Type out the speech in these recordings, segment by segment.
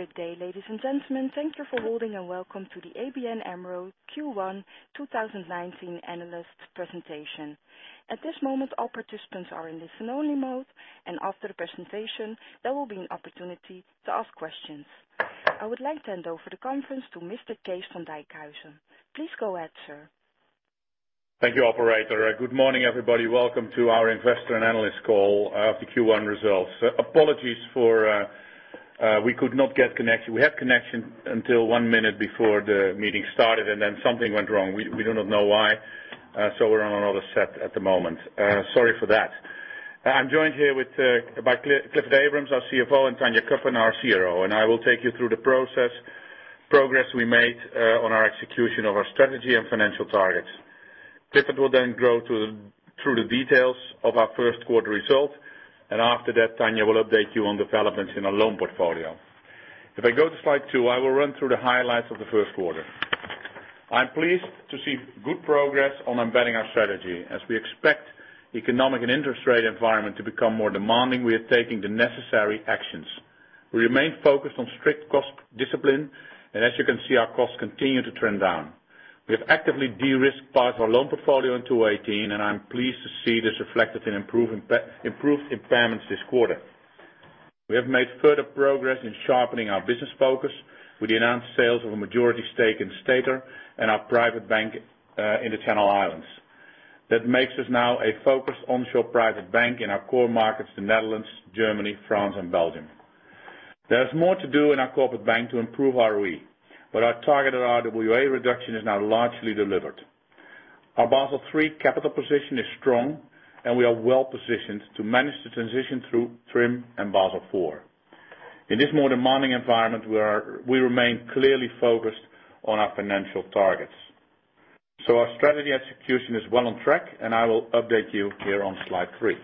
Good day, ladies and gentlemen. Thank you for holding and welcome to the ABN AMRO Q1 2019 analyst presentation. At this moment, all participants are in listen-only mode. After the presentation, there will be an opportunity to ask questions. I would like to hand over the conference to Mr. Kees van Dijkhuizen. Please go ahead, sir. Thank you, operator. Good morning, everybody. Welcome to our investor and analyst call of the Q1 results. Apologies for we could not get connection. We had connection until one minute before the meeting started. Something went wrong. We do not know why. We're on another set at the moment. Sorry for that. I'm joined here by Clifford Abrahams, our CFO, and Tanja Cuppen, our CRO. I will take you through the progress we made on our execution of our strategy and financial targets. Clifford will then go through the details of our first quarter results. After that, Tanja will update you on developments in our loan portfolio. If I go to slide two, I will run through the highlights of the first quarter. I'm pleased to see good progress on embedding our strategy. As we expect economic and interest rate environment to become more demanding, we are taking the necessary actions. We remain focused on strict cost discipline. As you can see, our costs continue to trend down. We have actively de-risked part of our loan portfolio in 2018. I'm pleased to see this reflected in improved impairments this quarter. We have made further progress in sharpening our business focus with the announced sales of a majority stake in Stater and our private bank, in the Channel Islands. That makes us now a focused onshore private bank in our core markets, the Netherlands, Germany, France and Belgium. There's more to do in our corporate bank to improve ROE. Our target of RWA reduction is now largely delivered. Our Basel III capital position is strong. We are well-positioned to manage the transition through TRIM and Basel IV. In this more demanding environment, we remain clearly focused on our financial targets. Our strategy execution is well on track. I will update you here on slide three.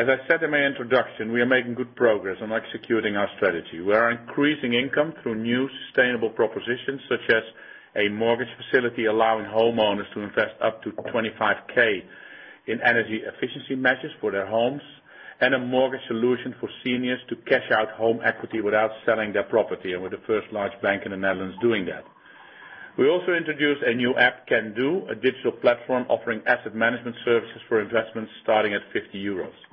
As I said in my introduction, we are making good progress on executing our strategy. We are increasing income through new sustainable propositions, such as a mortgage facility allowing homeowners to invest up to 25k in energy efficiency measures for their homes and a mortgage solution for seniors to cash out home equity without selling their property. We're the first large bank in the Netherlands doing that. We also introduced a new app, Kendu, a digital platform offering asset management services for investments starting at 50 euros.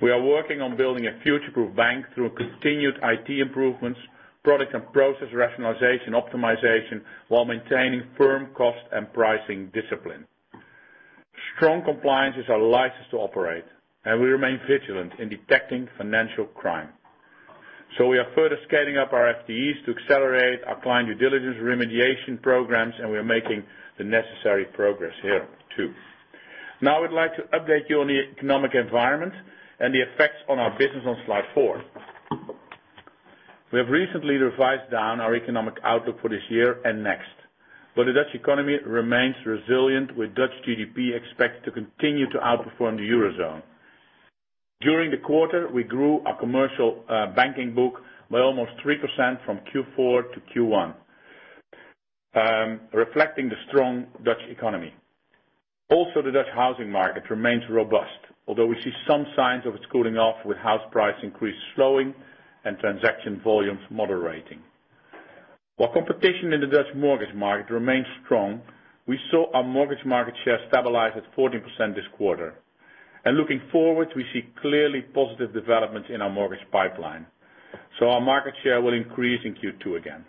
We are working on building a future-proof bank through continued IT improvements, product and process rationalization optimization, while maintaining firm cost and pricing discipline. Strong compliance is our license to operate, and we remain vigilant in Detecting Financial Crime. We are further scaling up our FTEs to accelerate our client due diligence remediation programs, and we are making the necessary progress here, too. I'd like to update you on the economic environment and the effects on our business on slide four. We have recently revised down our economic outlook for this year and next, the Dutch economy remains resilient, with Dutch GDP expected to continue to outperform the Eurozone. During the quarter, we grew our commercial banking book by almost 3% from Q4 to Q1, reflecting the strong Dutch economy. The Dutch housing market remains robust, although we see some signs of it cooling off, with house price increase slowing and transaction volumes moderating. While competition in the Dutch mortgage market remains strong, we saw our mortgage market share stabilize at 14% this quarter. Looking forward, we see clearly positive developments in our mortgage pipeline. Our market share will increase in Q2 again.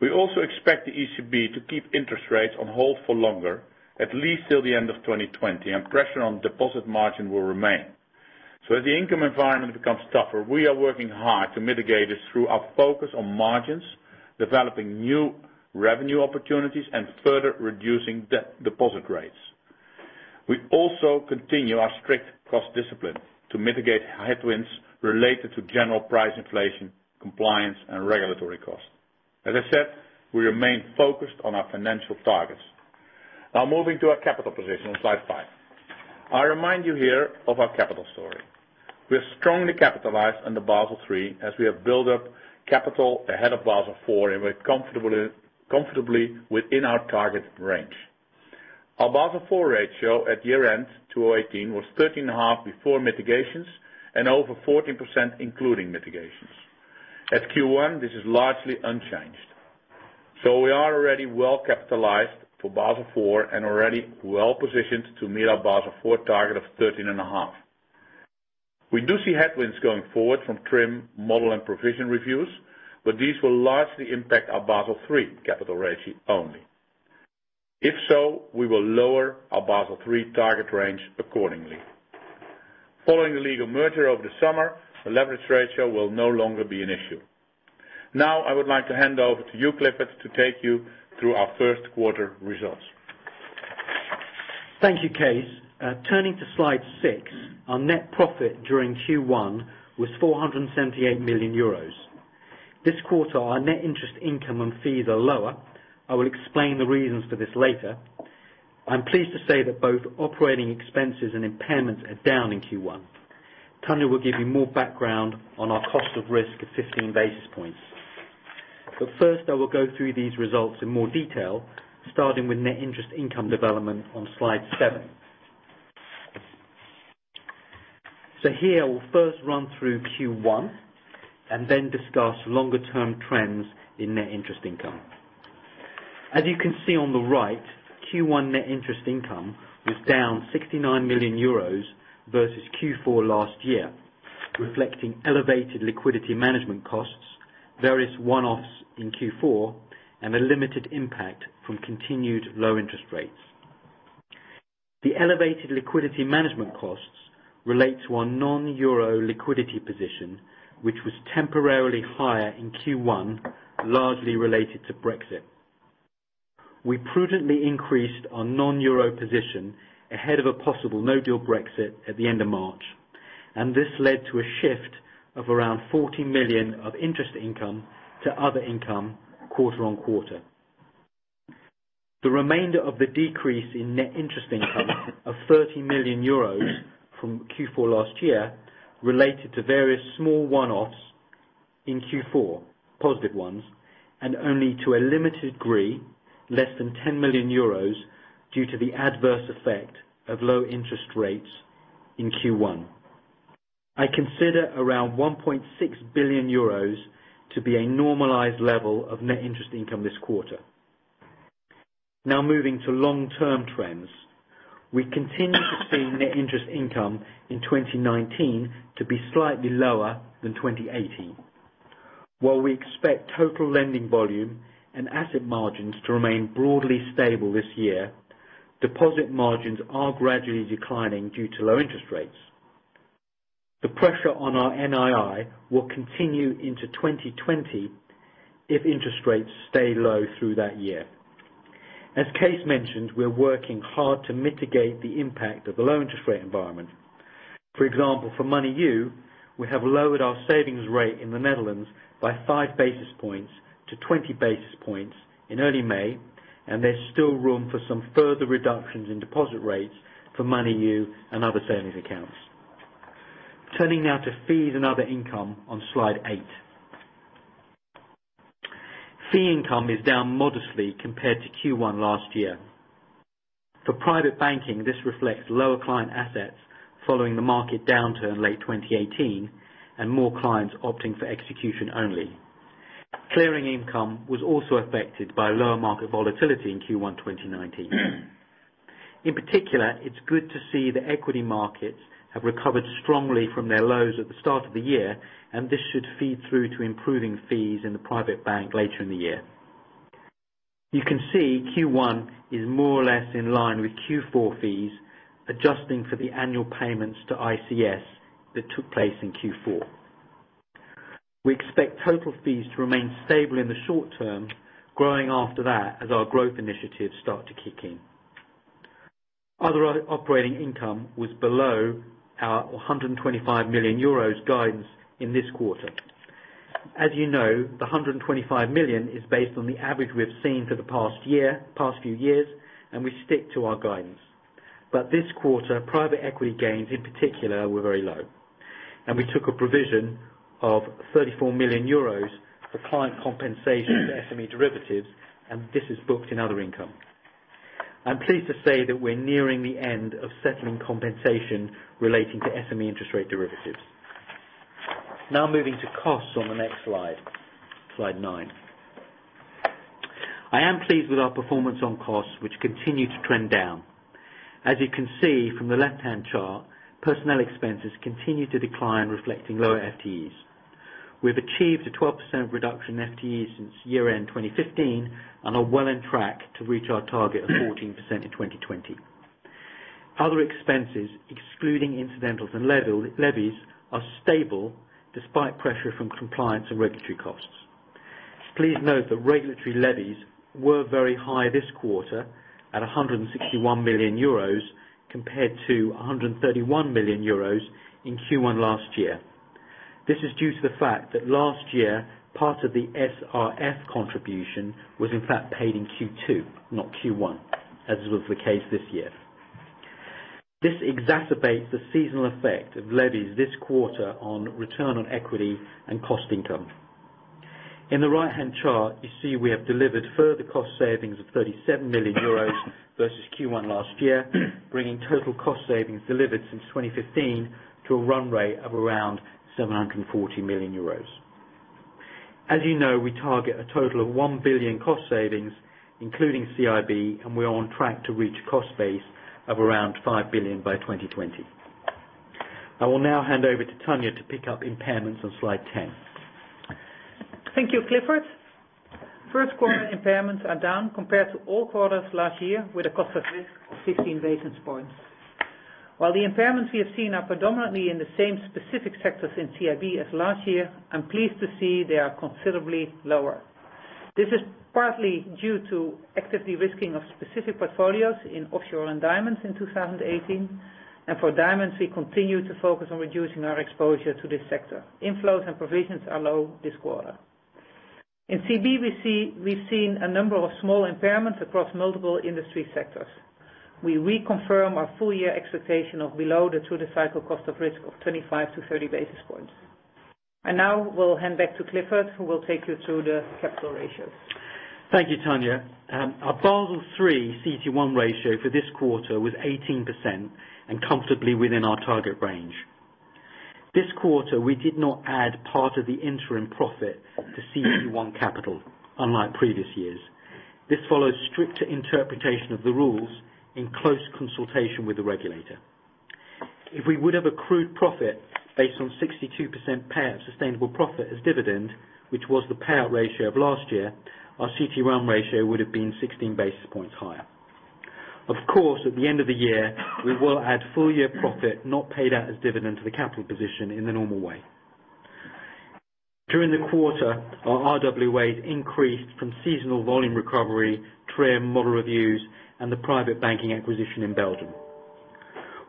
We expect the ECB to keep interest rates on hold for longer, at least till the end of 2020, and pressure on deposit margin will remain. As the income environment becomes tougher, we are working hard to mitigate this through our focus on margins, developing new revenue opportunities, and further reducing deposit rates. We continue our strict cost discipline to mitigate headwinds related to general price inflation, compliance, and regulatory costs. As I said, we remain focused on our financial targets. Moving to our capital position on slide five. I remind you here of our capital story. We are strongly capitalized under Basel III as we have built up capital ahead of Basel IV, and we're comfortably within our target range. Our Basel IV ratio at year-end 2018 was 13.5 before mitigations and over 14% including mitigations. At Q1, this is largely unchanged. We are already well capitalized for Basel IV and already well-positioned to meet our Basel IV target of 13.5. We do see headwinds going forward from TRIM model and provision reviews, these will largely impact our Basel III capital ratio only. If so, we will lower our Basel III target range accordingly. Following the legal merger over the summer, the leverage ratio will no longer be an issue. I would like to hand over to you, Clifford, to take you through our first quarter results. Thank you, Kees. Turning to slide six, our net profit during Q1 was 478 million euros. This quarter, our net interest income and fees are lower. I will explain the reasons for this later. I'm pleased to say that both operating expenses and impairments are down in Q1. Tanja will give you more background on our cost of risk of 15 basis points. I will go through these results in more detail, starting with net interest income development on slide seven. Here, we'll first run through Q1, and then discuss longer-term trends in net interest income. As you can see on the right, Q1 net interest income was down 69 million euros versus Q4 last year, reflecting elevated liquidity management costs, various one-offs in Q4, and a limited impact from continued low interest rates. The elevated liquidity management costs relate to our non-euro liquidity position, which was temporarily higher in Q1, largely related to Brexit. We prudently increased our non-euro position ahead of a possible no-deal Brexit at the end of March, and this led to a shift of around 40 million of interest income to other income quarter-on-quarter. The remainder of the decrease in net interest income of 30 million euros from Q4 last year related to various small one-offs in Q4, positive ones, and only to a limited degree, less than 10 million euros, due to the adverse effect of low interest rates in Q1. I consider around 1.6 billion euros to be a normalized level of net interest income this quarter. Moving to long-term trends. We continue to see net interest income in 2019 to be slightly lower than 2018. While we expect total lending volume and asset margins to remain broadly stable this year, deposit margins are gradually declining due to low interest rates. The pressure on our NII will continue into 2020 if interest rates stay low through that year. As Kees mentioned, we're working hard to mitigate the impact of the low interest rate environment. For example, for Moneyou, we have lowered our savings rate in the Netherlands by five basis points to 20 basis points in early May, and there's still room for some further reductions in deposit rates for Moneyou and other savings accounts. Turning now to fees and other income on slide eight. Fee income is down modestly compared to Q1 last year. For private banking, this reflects lower client assets following the market downturn late 2018 and more clients opting for execution only. Clearing income was also affected by lower market volatility in Q1 2019. In particular, it's good to see the equity markets have recovered strongly from their lows at the start of the year, and this should feed through to improving fees in the private bank later in the year. You can see Q1 is more or less in line with Q4 fees, adjusting for the annual payments to ICS that took place in Q4. We expect total fees to remain stable in the short term, growing after that as our growth initiatives start to kick in. Other operating income was below our 125 million euros guidance in this quarter. As you know, the 125 million is based on the average we have seen for the past few years, and we stick to our guidance. This quarter, private equity gains, in particular, were very low, and we took a provision of 34 million euros for client compensation for SME derivatives, and this is booked in other income. I'm pleased to say that we're nearing the end of settling compensation relating to SME interest rate derivatives. Moving to costs on the next slide nine. I am pleased with our performance on costs, which continue to trend down. As you can see from the left-hand chart, personnel expenses continue to decline, reflecting lower FTEs. We have achieved a 12% reduction in FTE since year-end 2015 and are well on track to reach our target of 14% in 2020. Other expenses, excluding incidentals and levies, are stable despite pressure from compliance and regulatory costs. Please note that regulatory levies were very high this quarter at 161 million euros compared to 131 million euros in Q1 last year. This is due to the fact that last year, part of the SRF contribution was in fact paid in Q2, not Q1, as was the case this year. This exacerbates the seasonal effect of levies this quarter on return on equity and cost income. In the right-hand chart, you see we have delivered further cost savings of 37 million euros versus Q1 last year, bringing total cost savings delivered since 2015 to a run rate of around 740 million euros. As you know, we target a total of 1 billion cost savings, including CIB. We are on track to reach a cost base of around 5 billion by 2020. I will now hand over to Tanja to pick up impairments on slide 10. Thank you, Clifford. First quarter impairments are down compared to all quarters last year with a cost of risk of 15 basis points. While the impairments we have seen are predominantly in the same specific sectors in CIB as last year, I'm pleased to see they are considerably lower. This is partly due to actively risking of specific portfolios in offshore and diamonds in 2018. For diamonds, we continue to focus on reducing our exposure to this sector. Inflows and provisions are low this quarter. In CB, we've seen a number of small impairments across multiple industry sectors. We reconfirm our full-year expectation of below the through-the-cycle cost of risk of 25 to 30 basis points. Now we'll hand back to Clifford, who will take you through the capital ratios. Thank you, Tanja. Our Basel III CET1 ratio for this quarter was 18% and comfortably within our target range. This quarter, we did not add part of the interim profit to CET1 capital, unlike previous years. This follows stricter interpretation of the rules in close consultation with the regulator. If we would have accrued profit based on 62% payout of sustainable profit as dividend, which was the payout ratio of last year, our CET1 ratio would have been 16 basis points higher. Of course, at the end of the year, we will add full year profit not paid out as dividend to the capital position in the normal way. During the quarter, our RWAs increased from seasonal volume recovery, TRIM model reviews, and the private banking acquisition in Belgium.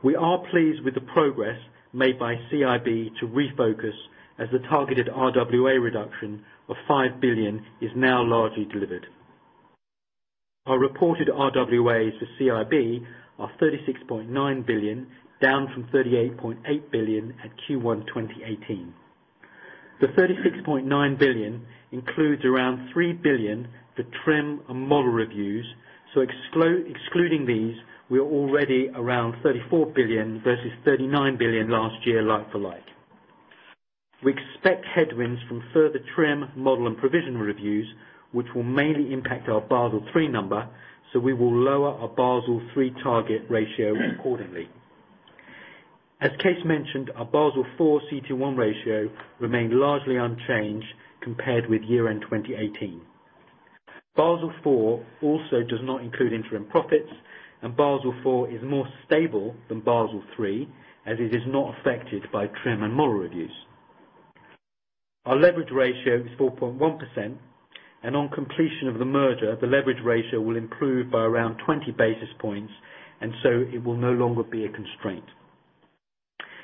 We are pleased with the progress made by CIB to refocus as the targeted RWA reduction of 5 billion is now largely delivered. Our reported RWAs for CIB are 36.9 billion, down from 38.8 billion at Q1 2018. The 36.9 billion includes around 3 billion for TRIM and model reviews. Excluding these, we are already around 34 billion versus 39 billion last year, like for like. We expect headwinds from further TRIM model and provision reviews, which will mainly impact our Basel III number, we will lower our Basel III target ratio accordingly. As Kees mentioned, our Basel IV CET1 ratio remained largely unchanged compared with year-end 2018. Basel IV also does not include interim profits, and Basel IV is more stable than Basel III as it is not affected by TRIM and model reviews. Our leverage ratio is 4.1%. On completion of the merger, the leverage ratio will improve by around 20 basis points, it will no longer be a constraint.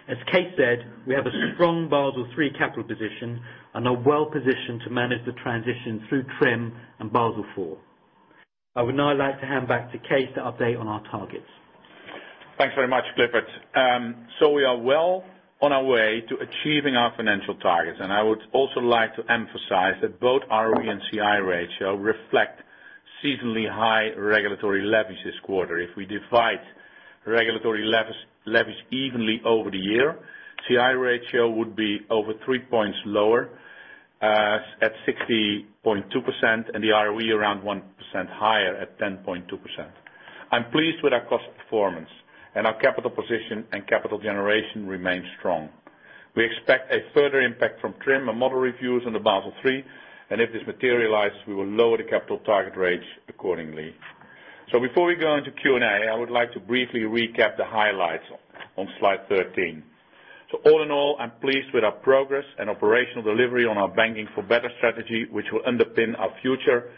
As Kees said, we have a strong Basel III capital position and are well-positioned to manage the transition through TRIM and Basel IV. I would now like to hand back to Kees to update on our targets. Thanks very much, Clifford. We are well on our way to achieving our financial targets, I would also like to emphasize that both ROE and CI ratio reflect seasonally high regulatory leverage this quarter. If we divide regulatory leverage evenly over the year, CI ratio would be over 3 points lower at 60.2%, and the ROE around 1% higher at 10.2%. I'm pleased with our cost performance, Our capital position and capital generation remain strong. We expect a further impact from TRIM and model reviews on the Basel III, If this materializes, we will lower the capital target rates accordingly. Before we go into Q&A, I would like to briefly recap the highlights on slide 13. All in all, I'm pleased with our progress and operational delivery on our Banking for Better strategy, which will underpin our future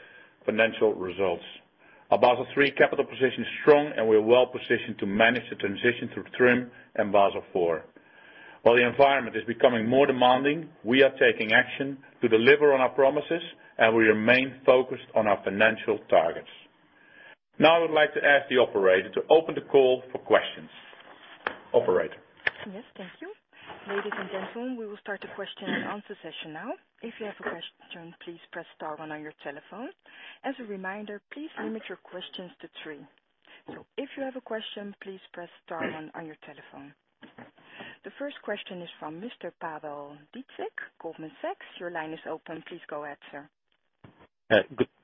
financial results. Our Basel III capital position is strong, and we are well positioned to manage the transition through TRIM and Basel IV. While the environment is becoming more demanding, we are taking action to deliver on our promises, and we remain focused on our financial targets. I would like to ask the operator to open the call for questions. Operator. Yes. Thank you. Ladies and gentlemen, we will start the question and answer session now. If you have a question, please press star one on your telephone. As a reminder, please limit your questions to three. If you have a question, please press star one on your telephone. The first question is from Mr. Pawel Dziedzic, Goldman Sachs. Your line is open. Please go ahead, sir.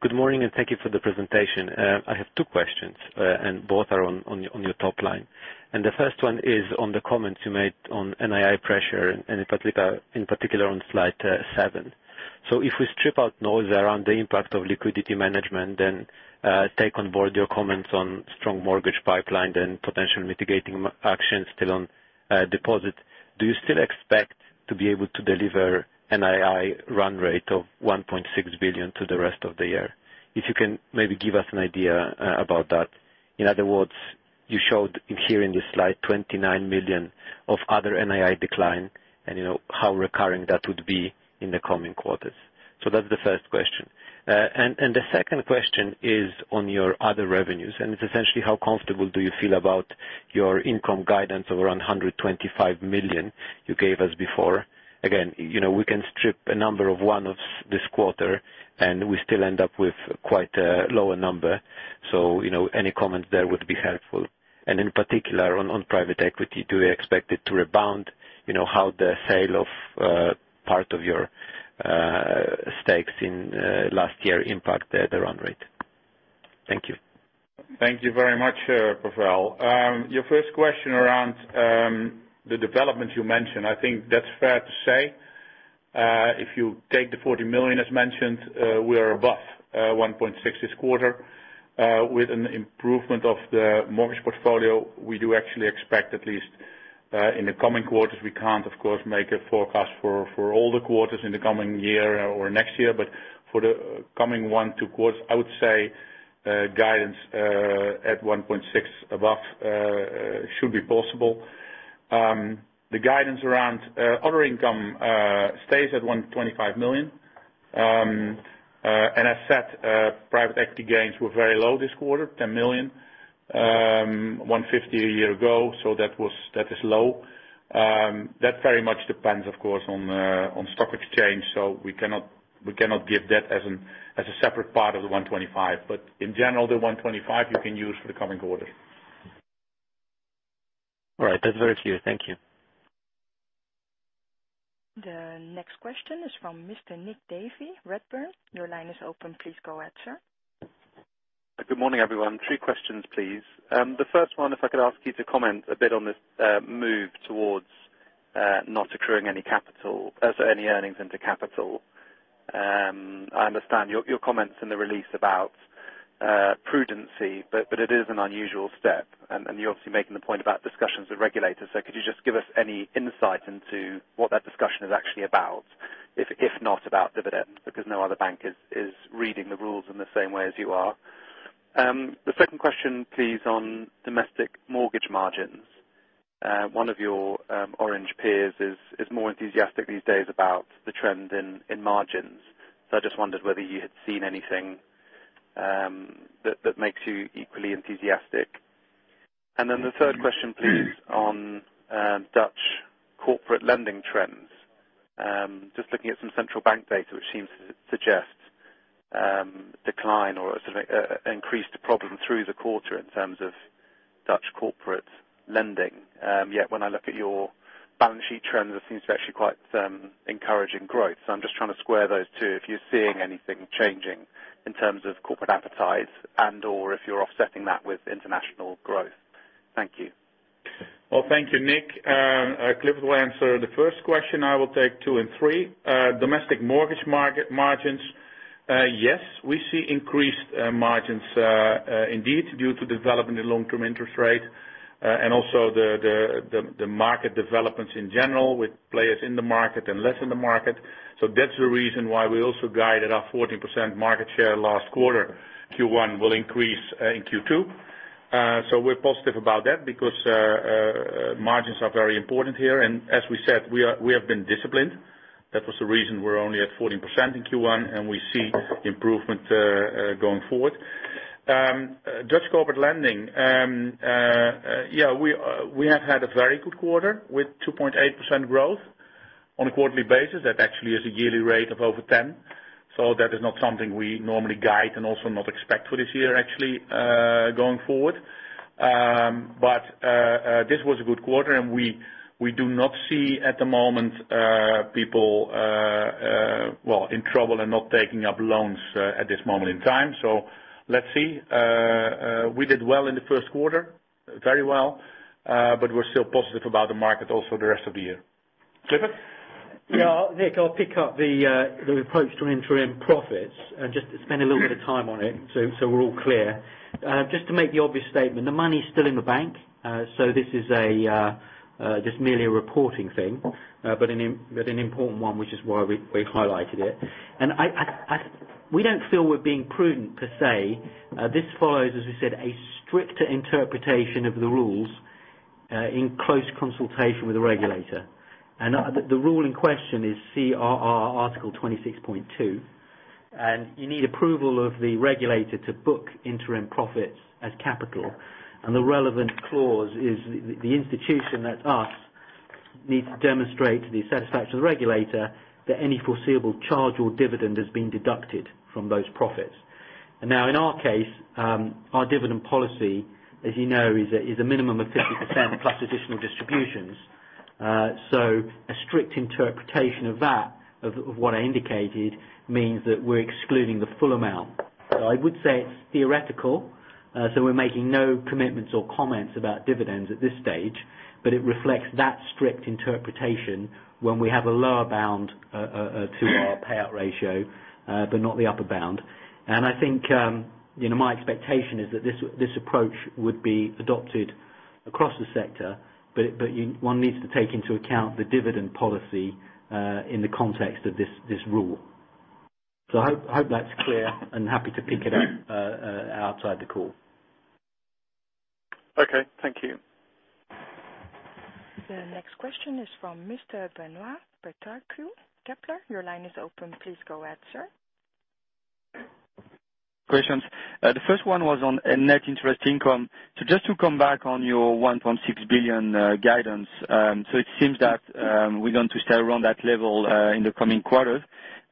Good morning, and thank you for the presentation. I have two questions, and both are on your top line. The first one is on the comments you made on NII pressure and in particular on slide seven. If we strip out noise around the impact of liquidity management, then take on board your comments on strong mortgage pipeline and potential mitigating actions still on deposit, do you still expect to be able to deliver NII run rate of 1.6 billion to the rest of the year? If you can maybe give us an idea about that. In other words, you showed here in this slide 29 million of other NII decline and how recurring that would be in the coming quarters. That's the first question. The second question is on your other revenues, and it's essentially how comfortable do you feel about your income guidance of around 125 million you gave us before? Again, we can strip a number of one-offs this quarter, and we still end up with quite a lower number. Any comments there would be helpful. In particular on private equity, do we expect it to rebound? How the sale of part of your stakes in last year impact the run rate? Thank you. Thank you very much, Pawel. Your first question around the development you mentioned, I think that's fair to say. If you take the 40 million as mentioned, we are above 1.6 this quarter with an improvement of the mortgage portfolio. We do actually expect at least in the coming quarters, we can't of course make a forecast for all the quarters in the coming year or next year, but for the coming one, two quarters, I would say guidance at 1.6 above should be possible. The guidance around other income stays at 125 million. As said, private equity gains were very low this quarter, 10 million. 150 a year ago, so that is low. That very much depends, of course, on stock exchange. We cannot give that as a separate part of the 125. In general, the 125 you can use for the coming quarter. All right. That's very clear. Thank you. The next question is from Mr. Nick Davey, Redburn. Your line is open. Please go ahead, sir. Good morning, everyone. Three questions, please. The first one, if I could ask you to comment a bit on this move towards not accruing any earnings into capital. I understand your comments in the release about prudency. It is an unusual step, and you're obviously making the point about discussions with regulators. Could you just give us any insight into what that discussion is actually about, if not about dividends, because no other bank is reading the rules in the same way as you are. The second question, please, on domestic mortgage margins. One of your orange peers is more enthusiastic these days about the trend in margins. I just wondered whether you had seen anything that makes you equally enthusiastic. The third question, please, on Dutch corporate lending trends. Just looking at some central bank data, which seems to suggest decline or an increased problem through the quarter in terms of Dutch corporate lending. When I look at your balance sheet trends, it seems to be actually quite encouraging growth. I'm just trying to square those two, if you're seeing anything changing in terms of corporate appetite and/or if you're offsetting that with international growth. Thank you. Thank you, Nick. Clifford will answer the first question. I will take 2 and 3. Domestic mortgage market margins. Yes, we see increased margins indeed due to development in long-term interest rate and also the market developments in general with players in the market and less in the market. That's the reason why we also guided our 14% market share last quarter. Q1 will increase in Q2. We're positive about that because margins are very important here. As we said, we have been disciplined. That was the reason we're only at 14% in Q1, and we see improvement going forward. Dutch corporate lending. We have had a very good quarter with 2.8% growth on a quarterly basis. That actually is a yearly rate of over 10. That is not something we normally guide and also not expect for this year actually, going forward. This was a good quarter, and we do not see at the moment people in trouble and not taking up loans at this moment in time. Let's see. We did well in the first quarter, very well. We're still positive about the market also the rest of the year. Clifford? Nick, I'll pick up the approach to interim profits and just spend a little bit of time on it so we're all clear. Just to make the obvious statement, the money's still in the bank. This is merely a reporting thing, but an important one, which is why we've highlighted it. We don't feel we're being prudent per se. This follows, as we said, a stricter interpretation of the rules in close consultation with the regulator. The rule in question is CRR Article 26(2), and you need approval of the regulator to book interim profits as capital. The relevant clause is the institution, that's us, needs to demonstrate to the satisfaction of the regulator that any foreseeable charge or dividend has been deducted from those profits. Now in our case, our dividend policy, as you know, is a minimum of 50% plus additional distributions. A strict interpretation of that, of what I indicated, means that we're excluding the full amount. I would say it's theoretical. We're making no commitments or comments about dividends at this stage, but it reflects that strict interpretation when we have a lower bound to our payout ratio, but not the upper bound. I think my expectation is that this approach would be adopted across the sector, but one needs to take into account the dividend policy, in the context of this rule. I hope that's clear, and happy to pick it up outside the call. Okay. Thank you. The next question is from Mr. Benoit Petrarque, Kepler Cheuvreux. Your line is open. Please go ahead, sir. Questions. The first one was on net interest income. Just to come back on your 1.6 billion guidance. It seems that we're going to stay around that level in the coming quarters.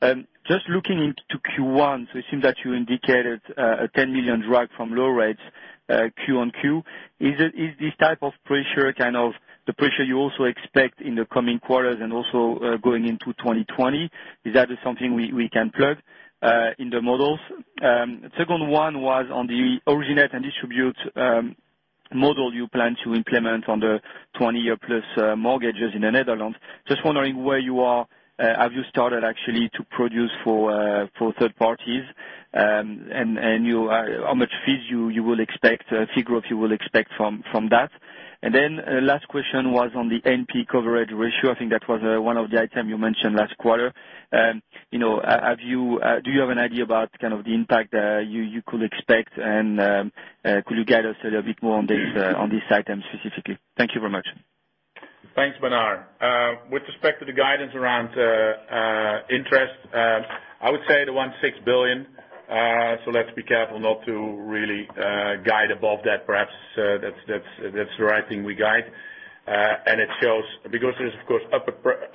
Looking into Q1, it seems that you indicated a 10 million drag from low rates Q on Q. Is this type of pressure the pressure you also expect in the coming quarters and also going into 2020? Is that something we can plug in the models? The second one was on the originate and distribute model you plan to implement on the 20-year-plus mortgages in the Netherlands. Just wondering where you are. Have you started actually to produce for third parties? And how much fees you will expect, fee growth you will expect from that? The last question was on the NPE coverage ratio. I think that was one of the items you mentioned last quarter. Do you have an idea about the impact you could expect, and could you guide us a little bit more on this item specifically? Thank you very much. Thanks, Benoit. With respect to the guidance around interest, I would say the 1.6 billion. Let's be careful not to really guide above that. Perhaps that's the right thing we guide. It shows because there's, of course,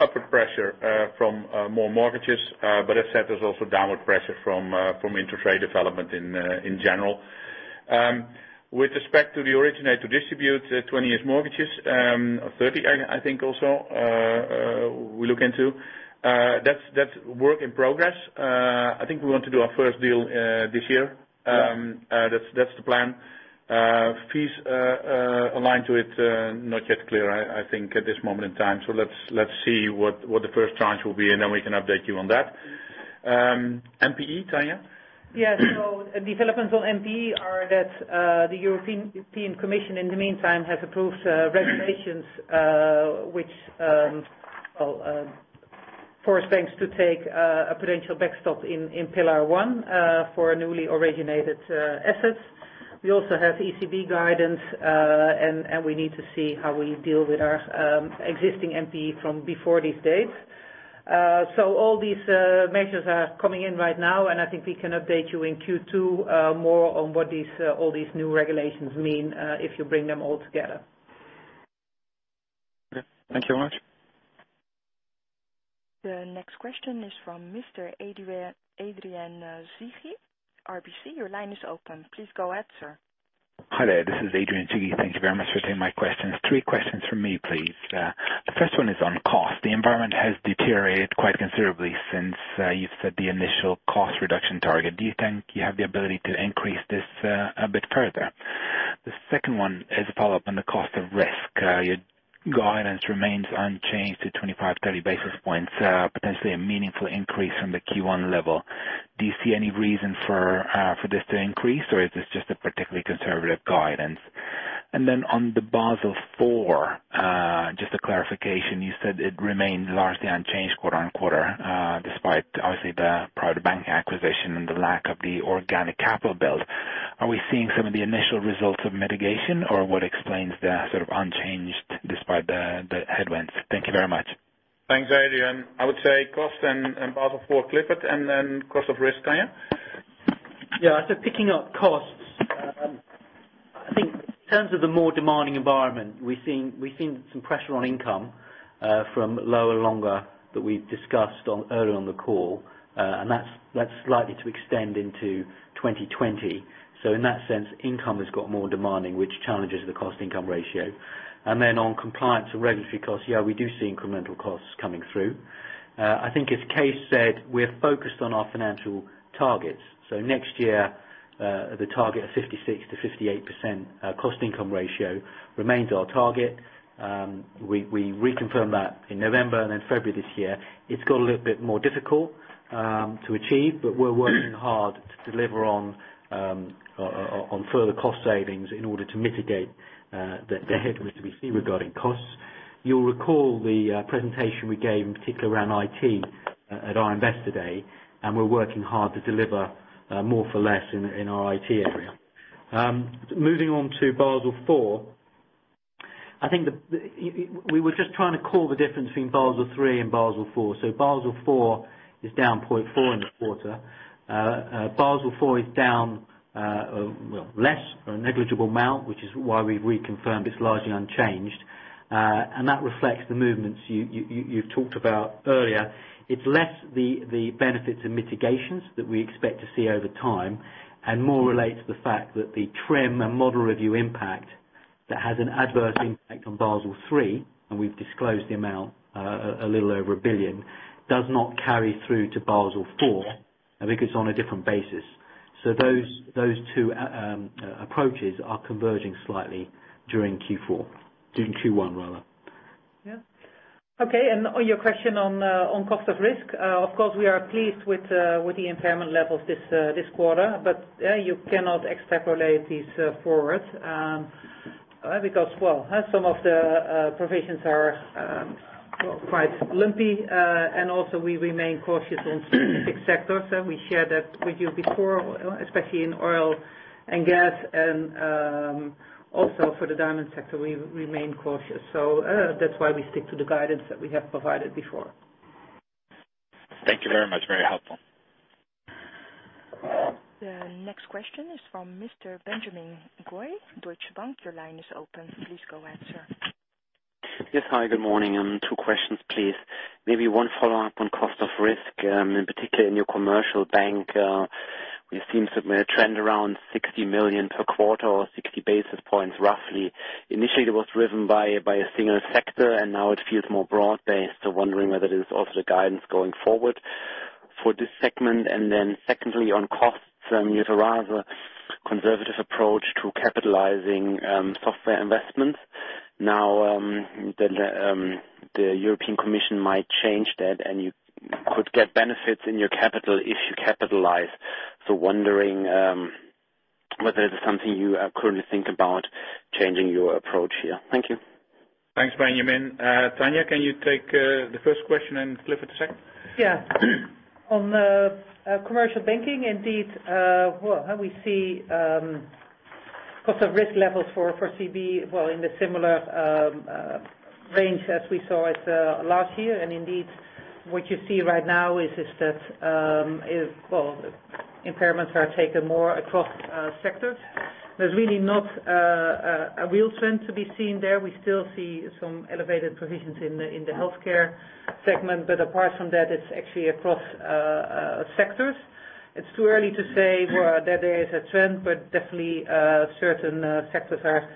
upward pressure from more mortgages, but as said, there's also downward pressure from interest rate development in general. With respect to the originate to distribute 20-year mortgages, or 30, I think also we look into, that's work in progress. I think we want to do our first deal this year. Yeah. That's the plan. Fees aligned to it, not yet clear, I think, at this moment in time. Let's see what the first tranche will be, and then we can update you on that. NPE, Tanja? Yeah. Developments on NPE are that the European Commission, in the meantime, has approved regulations which force banks to take a potential backstop in Pillar 1 for newly originated assets. We also have ECB guidance, and we need to see how we deal with our existing NPE from before this date. All these measures are coming in right now, and I think we can update you in Q2 more on what all these new regulations mean if you bring them all together. Okay. Thank you very much. The next question is from Mr. Adrian Cighi, RBC. Your line is open. Please go ahead, sir. Hi there. This is Adrian Cighi. Thank you very much for taking my questions. Three questions from me, please. The first one is on cost. The environment has deteriorated quite considerably since you've set the initial cost reduction target. Do you think you have the ability to increase this a bit further? The second one is a follow-up on the cost of risk. Your guidance remains unchanged to 25, 30 basis points, potentially a meaningful increase from the Q1 level. Do you see any reason for this to increase, or is this just a particularly conservative guidance? On the Basel IV, just a clarification. You said it remains largely unchanged quarter-on-quarter, despite obviously the private bank acquisition and the lack of the organic capital build. Are we seeing some of the initial results of mitigation, or what explains the sort of unchanged despite the headwinds? Thank you very much. Thanks, Adrian. I would say cost and Basel IV, Clifford. Then cost of risk, Tanja? Yeah. Picking up costs, I think in terms of the more demanding environment, we're seeing some pressure on income from lower longer that we've discussed earlier on the call. That's likely to extend into 2020. In that sense, income has got more demanding, which challenges the cost income ratio. Then on compliance and regulatory costs, yeah, we do see incremental costs coming through. I think as Kees said, we're focused on our financial targets. Next year, the target of 56%-58% cost income ratio remains our target. We reconfirmed that in November and February this year. It's got a little bit more difficult to achieve, we're working hard to deliver on further cost savings in order to mitigate the headwinds we see regarding costs. You'll recall the presentation we gave, in particular around IT at Invest Today, and we're working hard to deliver more for less in our IT area. Moving on to Basel IV, I think we were just trying to call the difference between Basel III and Basel IV. Basel IV is down 0.4 in the quarter. Basel IV is down less or a negligible amount, which is why we've reconfirmed it's largely unchanged. That reflects the movements you've talked about earlier. It's less the benefits and mitigations that we expect to see over time, and more relates to the fact that the TRIM and model review impact that has an adverse impact on Basel III, and we've disclosed the amount, a little over 1 billion, does not carry through to Basel IV because it's on a different basis. Those two approaches are converging slightly during Q4. During Q1, rather. Yeah. Okay, on your question on cost of risk, of course, we are pleased with the impairment levels this quarter, but you cannot extrapolate these forward. Well, some of the provisions are quite lumpy, and also we remain cautious in specific sectors, and we shared that with you before, especially in oil and gas and also for the diamond sector, we remain cautious. That's why we stick to the guidance that we have provided before. Thank you very much. Very helpful. The next question is from Mr. Benjamin Goy, Deutsche Bank. Your line is open. Please go ahead, sir. Yes. Hi, good morning. Two questions, please. Maybe one follow-up on cost of risk, in particular in your commercial bank. We've seen a trend around 60 million per quarter or 60 basis points, roughly. Initially, it was driven by a single sector, and now it feels more broad-based. Wondering whether this is also the guidance going forward for this segment. Secondly, on costs, you have a rather conservative approach to capitalizing software investments. Now, the European Commission might change that, and you could get benefits in your capital if you capitalize. Wondering whether this is something you currently think about changing your approach here. Thank you. Thanks, Benjamin. Tanja, can you take the first question and Clifford the second? Yeah. On commercial banking, indeed, well, how we see cost of risk levels for CB, well, in the similar range as we saw last year. Indeed, what you see right now is that impairments are taken more across sectors. There's really not a real trend to be seen there. We still see some elevated provisions in the healthcare segment. Apart from that, it's actually across sectors. It's too early to say that there is a trend, but definitely certain sectors are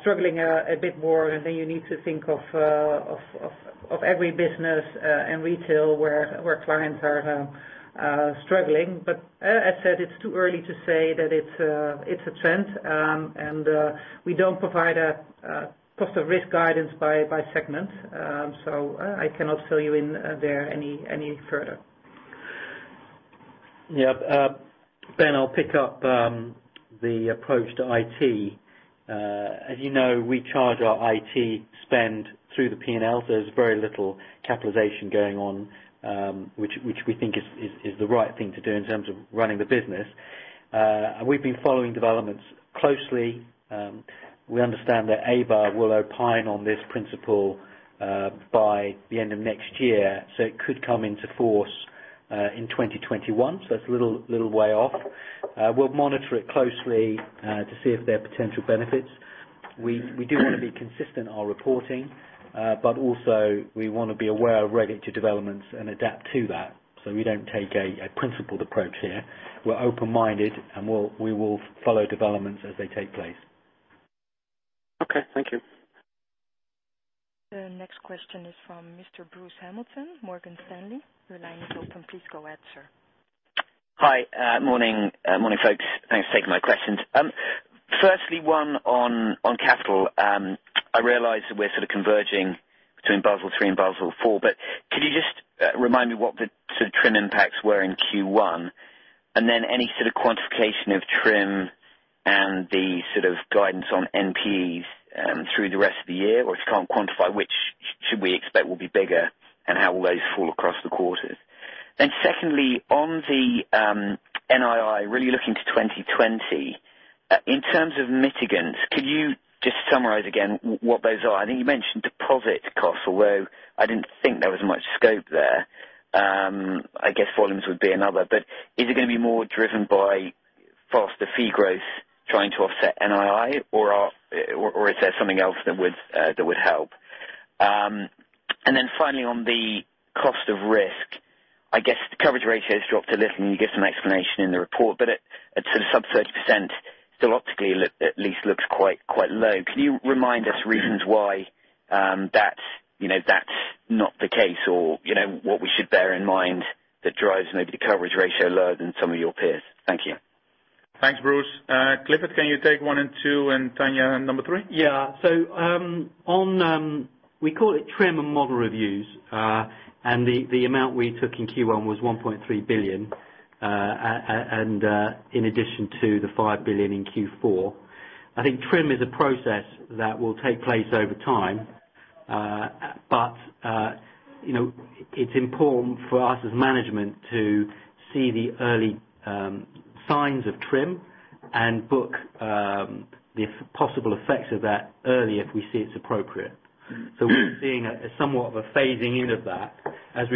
struggling a bit more. Then you need to think of every business and retail where clients are struggling. As I said, it's too early to say that it's a trend. We don't provide a cost of risk guidance by segment, so I cannot fill you in there any further. Yeah. Ben, I'll pick up the approach to IT. As you know, we charge our IT spend through the P&L, so there's very little capitalization going on, which we think is the right thing to do in terms of running the business. We've been following developments closely. We understand that EBA will opine on this principle by the end of next year, so it could come into force in 2021. It's a little way off. We'll monitor it closely to see if there are potential benefits. We do want to be consistent in our reporting, also we want to be aware of regulatory developments and adapt to that. We don't take a principled approach here. We're open-minded, we will follow developments as they take place. Okay. Thank you. The next question is from Mr. Bruce Hamilton, Morgan Stanley. Your line is open. Please go ahead, sir. Hi. Morning, folks. Thanks for taking my questions. Firstly, one on capital. I realize that we're sort of converging between Basel III and Basel IV, could you just remind me what the sort of TRIM impacts were in Q1? Any sort of quantification of TRIM and the sort of guidance on NPEs through the rest of the year, or if you can't quantify, which should we expect will be bigger and how will those fall across the quarters? Secondly, on the NII, really looking to 2020. In terms of mitigants, could you just summarize again what those are? I think you mentioned deposit costs, although I didn't think there was much scope there. I guess volumes would be another, but is it going to be more driven by faster fee growth trying to offset NII, or is there something else that would help? Finally, on the cost of risk, I guess the coverage ratio has dropped a little, and you give some explanation in the report, but at sort of sub 30%, still optically at least looks quite low. Can you remind us reasons why that's not the case or what we should bear in mind that drives maybe the coverage ratio lower than some of your peers? Thank you. Thanks, Bruce. Clifford, can you take one and two, and Tanja, number three? Yeah. We call it TRIM and model reviews. The amount we took in Q1 was 1.3 billion, in addition to the 5 billion in Q4. TRIM is a process that will take place over time. It's important for us as management to see the early signs of TRIM and book the possible effects of that early if we see it's appropriate. We're seeing somewhat of a phasing in of that as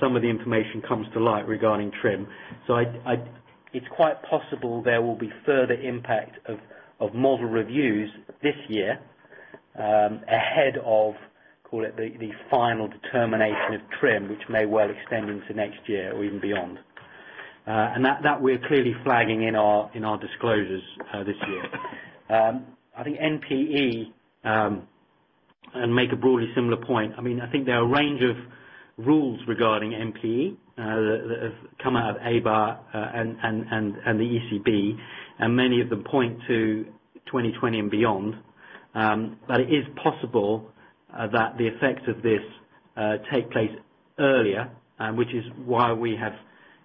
some of the information comes to light regarding TRIM. It's quite possible there will be further impact of model reviews this year ahead of, call it, the final determination of TRIM, which may well extend into next year or even beyond. That we're clearly flagging in our disclosures this year. NPE, I make a broadly similar point. There are a range of rules regarding NPE that have come out of EBA and the ECB, and many of them point to 2020 and beyond. It is possible that the effects of this take place earlier, which is why we have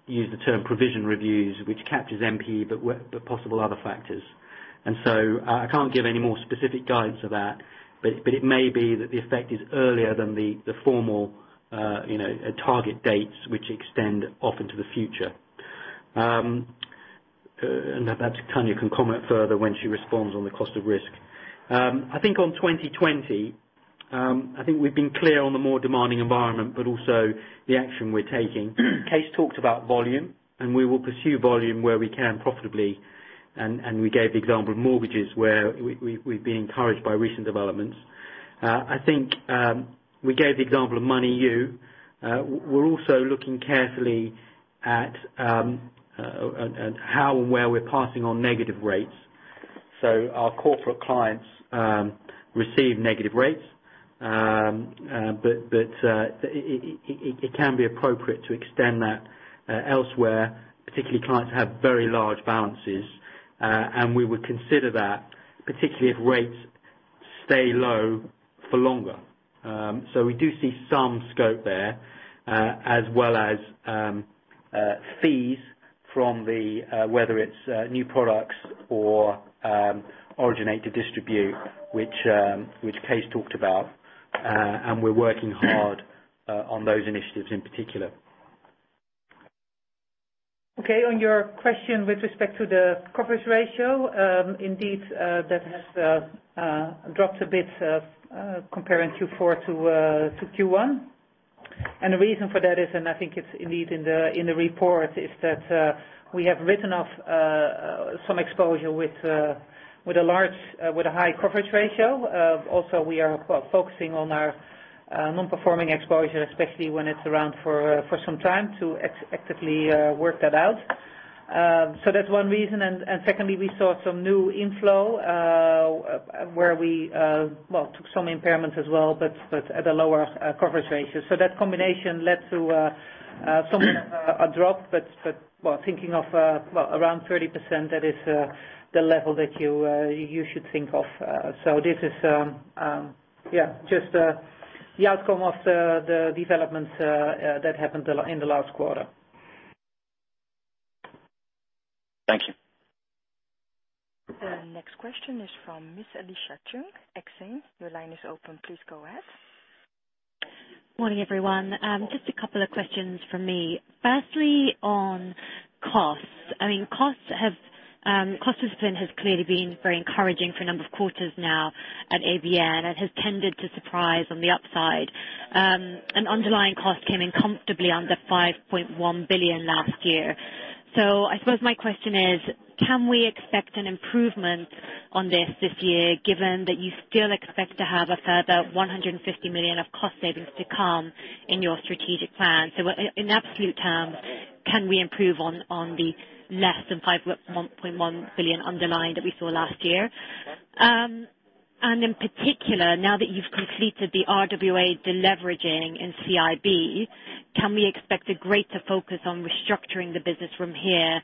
used the term provision reviews, which captures NPE, but possible other factors. I can't give any more specific guidance for that, but it may be that the effect is earlier than the formal target dates, which extend off into the future. Perhaps Tanja can comment further when she responds on the cost of risk. On 2020, we've been clear on the more demanding environment, but also the action we're taking. Kees talked about volume, and we will pursue volume where we can profitably. We gave the example of mortgages, where we've been encouraged by recent developments. We gave the example of Moneyou. We're also looking carefully at how and where we're passing on negative rates. Our corporate clients receive negative rates. It can be appropriate to extend that elsewhere, particularly clients who have very large balances. We would consider that, particularly if rates stay low for longer. We do see some scope there, as well as fees from whether it's new products or originate to distribute, which Kees talked about. We're working hard on those initiatives in particular. Okay. On your question with respect to the coverage ratio, indeed, that has dropped a bit comparing Q4 to Q1. The reason for that is, it's indeed in the report, is that we have written off some exposure with a high coverage ratio. Also, we are focusing on our non-performing exposure, especially when it's around for some time, to actively work that out. That's one reason. Secondly, we saw some new inflow, where we took some impairments as well, but at a lower coverage ratio. That combination led to somewhat of a drop, but thinking of around 30%, that is the level that you should think of. This is just the outcome of the developments that happened in the last quarter. Thank you. The next question is from Miss Alicia Chung, Exane. Your line is open. Please go ahead. Morning, everyone. Just a couple of questions from me. Firstly, on costs. Cost discipline has clearly been very encouraging for a number of quarters now at ABN, and has tended to surprise on the upside. Underlying costs came in comfortably under 5.1 billion last year. I suppose my question is, can we expect an improvement on this this year, given that you still expect to have a further 150 million of cost savings to come in your strategic plan? In absolute terms, can we improve on the less than 5.1 billion underlying that we saw last year? In particular, now that you've completed the RWA de-leveraging in CIB, can we expect a greater focus on restructuring the business from here,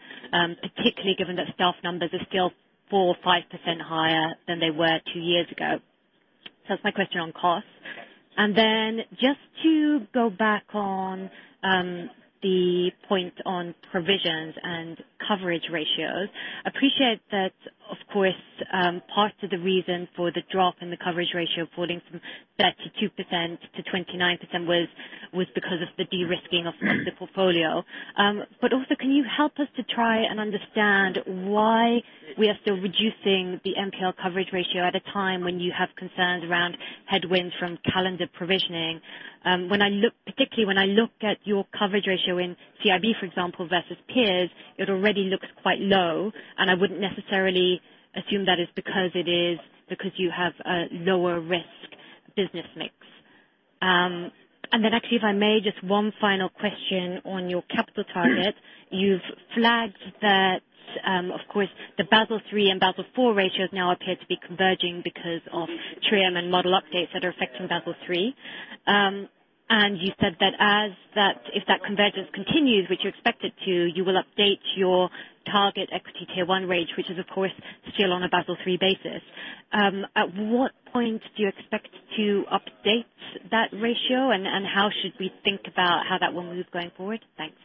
particularly given that staff numbers are still 4% or 5% higher than they were two years ago? That's my question on costs. Just to go back on the point on provisions and coverage ratios. Appreciate that, of course, part of the reason for the drop in the coverage ratio falling from 32% to 29% was because of the de-risking of the portfolio. Also, can you help us to try and understand why we are still reducing the NPL coverage ratio at a time when you have concerns around headwinds from calendar provisioning? Particularly when I look at your coverage ratio in CIB, for example, versus peers, it already looks quite low, and I wouldn't necessarily assume that is because you have a lower risk business mix. Actually, if I may, just one final question on your capital target. You've flagged that, of course, the Basel III and Basel IV ratios now appear to be converging because of TRIM and model updates that are affecting Basel III. You said that if that convergence continues, which you expect it to, you will update your target equity Tier 1 range, which is, of course, still on a Basel III basis. At what point do you expect to update that ratio, and how should we think about how that will move going forward? Thanks.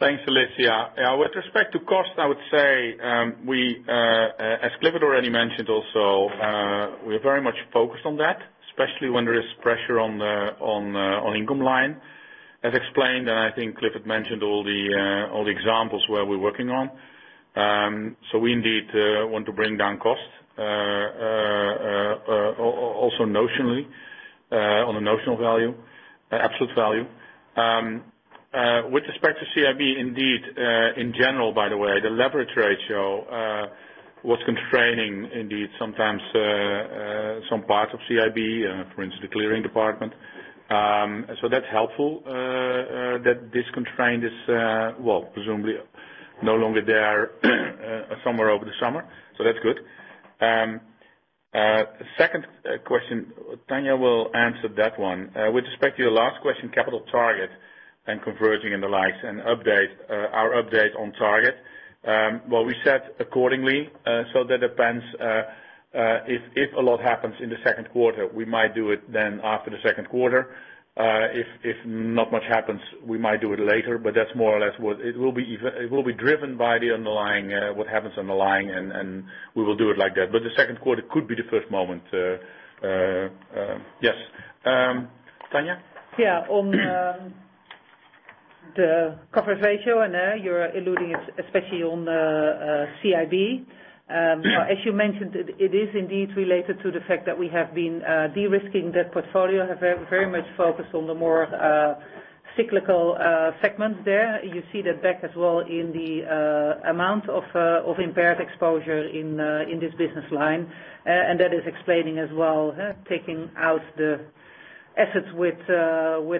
Thanks, Alicia. With respect to cost, I would say, as Clifford already mentioned also, we are very much focused on that, especially when there is pressure on income line. As explained, I think Clifford mentioned all the examples where we're working on. We indeed want to bring down costs, also notionally, on a notional value, absolute value. With respect to CIB, indeed, in general, by the way, the leverage ratio was constraining, indeed, sometimes some parts of CIB, for instance, the clearing department. That's helpful that this constraint is, presumably, no longer there somewhere over the summer. That's good. Second question, Tanja will answer that one. With respect to your last question, capital target and converging and the likes, and our update on target. We set accordingly, that depends if a lot happens in the second quarter, we might do it then after the second quarter. If not much happens, we might do it later, but that's more or less what it will be driven by the underlying, what happens underlying, and we will do it like that. The second quarter could be the first moment. Yes. Tanja? On the coverage ratio, you're alluding it especially on CIB. As you mentioned, it is indeed related to the fact that we have been de-risking that portfolio, have very much focused on the more cyclical segments there. You see that back as well in the amount of impaired exposure in this business line. That is explaining as well, taking out the assets with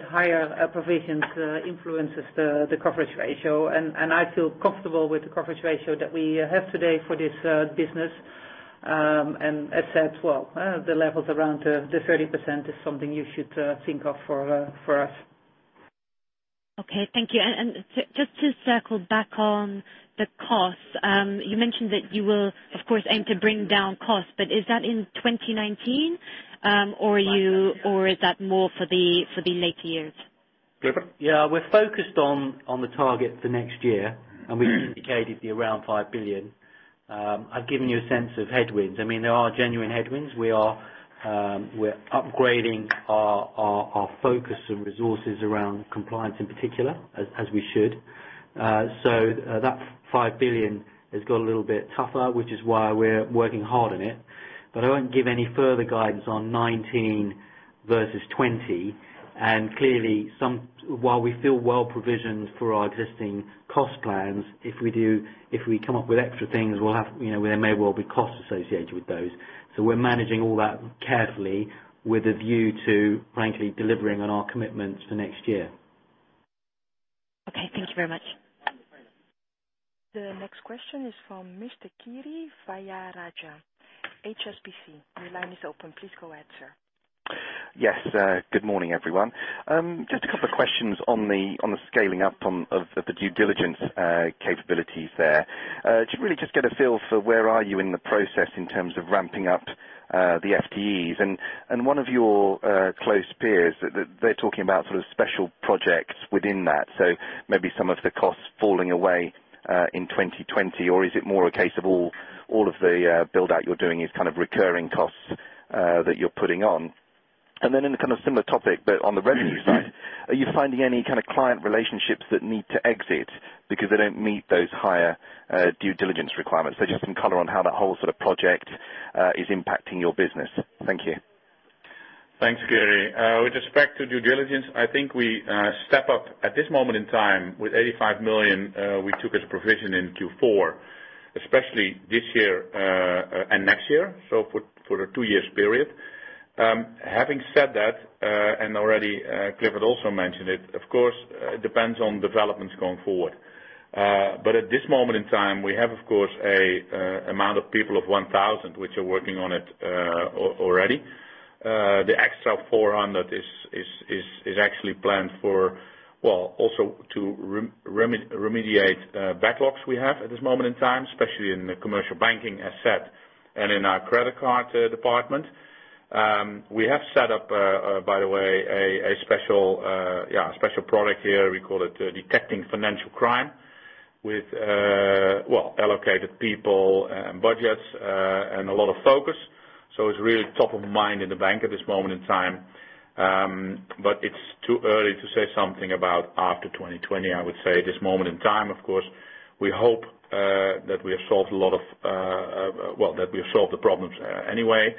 higher provisions influences the coverage ratio. I feel comfortable with the coverage ratio that we have today for this business. As said, the levels around the 30% is something you should think of for us. Okay, thank you. Just to circle back on the costs. You mentioned that you will, of course, aim to bring down costs. Is that in 2019 or is that more for the later years? Clifford? Yeah. We're focused on the target for next year. We've indicated the around 5 billion. I've given you a sense of headwinds. There are genuine headwinds. We are We're upgrading our focus and resources around compliance in particular, as we should. That 5 billion has got a little bit tougher, which is why we're working hard on it. I won't give any further guidance on 2019 versus 2020. Clearly, while we feel well-provisioned for our existing cost plans, if we come up with extra things, there may well be costs associated with those. We're managing all that carefully with a view to, frankly, delivering on our commitments for next year. Okay, thank you very much. The next question is from Mr. Kiri Vijayarajah, HSBC. Your line is open. Please go ahead, sir. Yes. Good morning, everyone. Just a couple of questions on the scaling up of the due diligence capabilities there. To really just get a feel for where are you in the process in terms of ramping up the FTEs. One of your close peers, they're talking about special projects within that, maybe some of the costs falling away in 2020, is it more a case of all of the build-out you're doing is recurring costs that you're putting on. In a similar topic, but on the revenue side, are you finding any kind of client relationships that need to exit because they don't meet those higher due diligence requirements? Just some color on how that whole project is impacting your business. Thank you. Thanks, Kiri. With respect to due diligence, I think we step up at this moment in time with 85 million, we took as a provision in Q4, especially this year and next year. For a two-years period. Having said that, already Clifford also mentioned it, of course, it depends on developments going forward. At this moment in time, we have, of course, amount of people of 1,000 which are working on it already. The extra 400 is actually planned also to remediate backlogs we have at this moment in time, especially in the commercial banking asset and in our credit card department. We have set up, by the way, a special product here. We call it Detecting Financial Crime, with allocated people and budgets, and a lot of focus. It's really top of mind in the bank at this moment in time. It's too early to say something about after 2020, I would say at this moment in time. Of course, we hope that we have solved the problems anyway.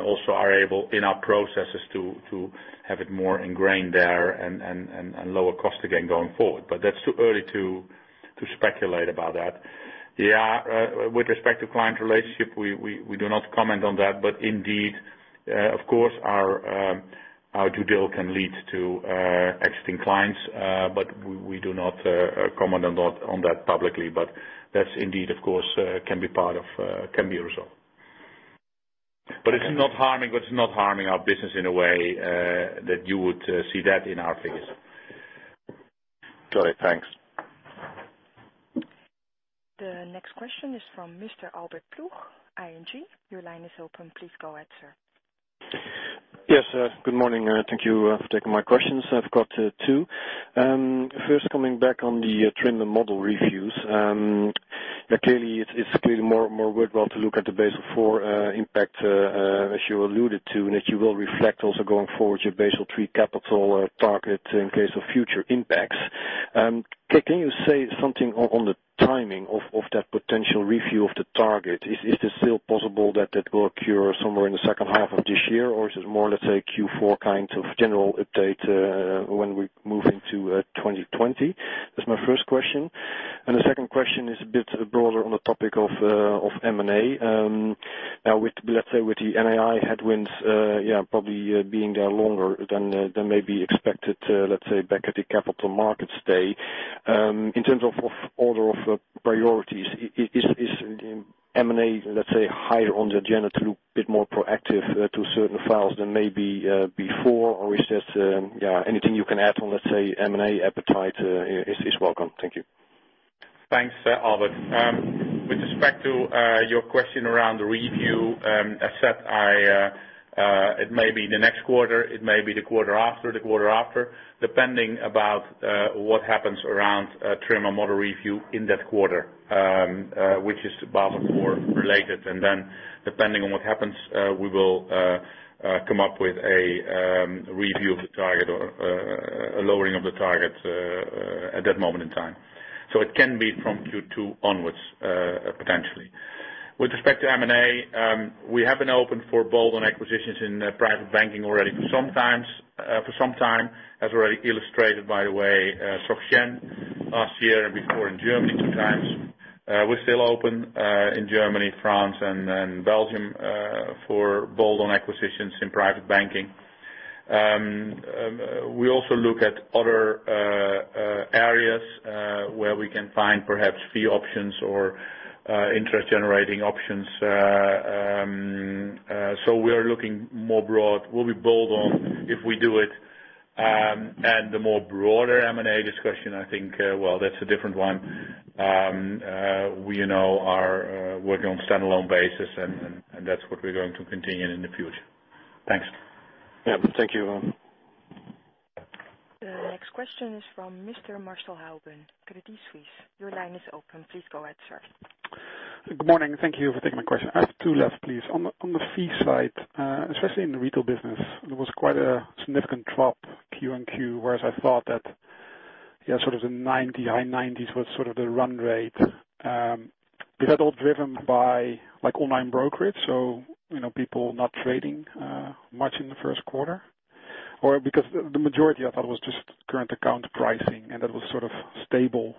Also are able, in our processes, to have it more ingrained there and lower cost again going forward. That's too early to speculate about that. With respect to client relationship, we do not comment on that. Indeed, of course, our due dil can lead to exiting clients. We do not comment on that publicly, but that's indeed, of course, can be a result. It's not harming our business in a way that you would see that in our figures. Got it. Thanks. The next question is from Mr. Albert Ploeg, ING. Your line is open. Please go ahead, sir. Yes. Good morning. Thank you for taking my questions. I've got two. First, coming back on the TRIM and model reviews. Clearly, it's clearly more worthwhile to look at the Basel IV impact as you alluded to, and that you will reflect also going forward your Basel III capital target in case of future impacts. Can you say something on the timing of that potential review of the target? Is this still possible that that will occur somewhere in the second half of this year, or is this more, let's say, Q4 kind of general update when we move into 2020? That's my first question. The second question is a bit broader on the topic of M&A. Now, let's say with the NII headwinds probably being there longer than may be expected, let's say back at the Capital Markets Day. In terms of order of priorities, is M&A, let's say, higher on the agenda to look a bit more proactive to certain files than maybe before, or is just Anything you can add on, let's say, M&A appetite is welcome. Thank you. Thanks, Albert. With respect to your question around the review, as said, it may be the next quarter, it may be the quarter after the quarter after, depending about what happens around TRIM and model review in that quarter, which is Basel IV-related. Depending on what happens, we will come up with a review of the target or a lowering of the target at that moment in time. It can be from Q2 onwards, potentially. With respect to M&A, we have been open for bolt-on acquisitions in private banking already for some time. As already illustrated, by the way, Sogejam last year and before in Germany two times. We're still open in Germany, France, and Belgium for bolt-on acquisitions in private banking. We also look at other areas where we can find perhaps fee options or interest-generating options. We're looking more broad. We'll be bold on if we do it. The more broader M&A discussion, I think, well, that's a different one. We now are working on standalone basis, that's what we're going to continue in the future. Thanks. Yeah. Thank you. The next question is from Mr. Marcel Hoeben, Credit Suisse. Your line is open. Please go ahead, sir. Good morning. Thank you for taking my question. I have two left, please. On the fee side, especially in the retail business, there was quite a significant drop Q and Q, whereas I thought that the high 90s was the run rate. Is that all driven by online brokerage, so people not trading much in the first quarter? Or because the majority, I thought, was just current account pricing, and that was stable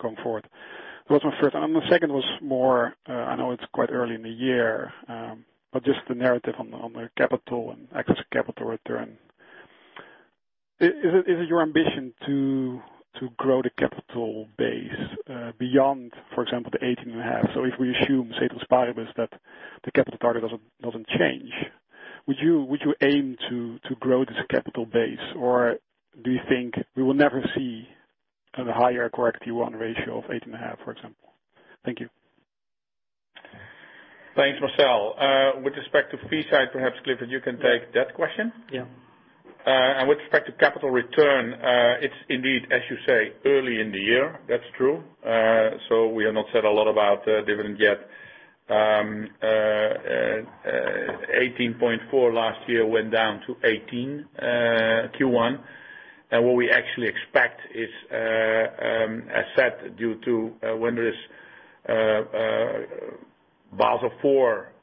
going forward. That was my first. The second was more, I know it's quite early in the year, but just the narrative on the capital and excess capital return. Is it your ambition to grow the capital base beyond, for example, the 18.5? If we assume, say, ceteris paribus that the capital target doesn't change, would you aim to grow this capital base, or do you think we will never see a higher core CET1 ratio of 18.5, for example? Thank you. Thanks, Marcel. With respect to fee side, perhaps Clifford, you can take that question. Yeah. With respect to capital return, it's indeed, as you say, early in the year. That's true. We have not said a lot about dividend yet. 18.4 last year went down to 18 Q1. What we actually expect is a set due to when there is Basel IV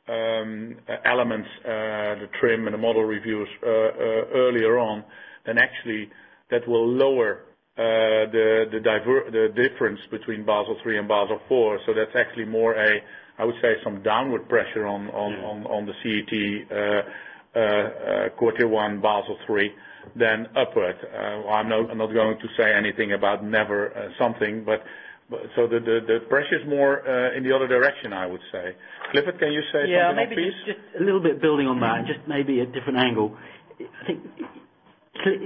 elements, the TRIM and the model reviews earlier on, then actually that will lower the difference between Basel III and Basel IV. That's actually more a, I would say, some downward pressure on the CET1 quarter one, Basel III than upward. I'm not going to say anything about never something. The pressure is more in the other direction, I would say. Clifford, can you say something on fees? Maybe just a little bit building on that and just maybe a different angle. I think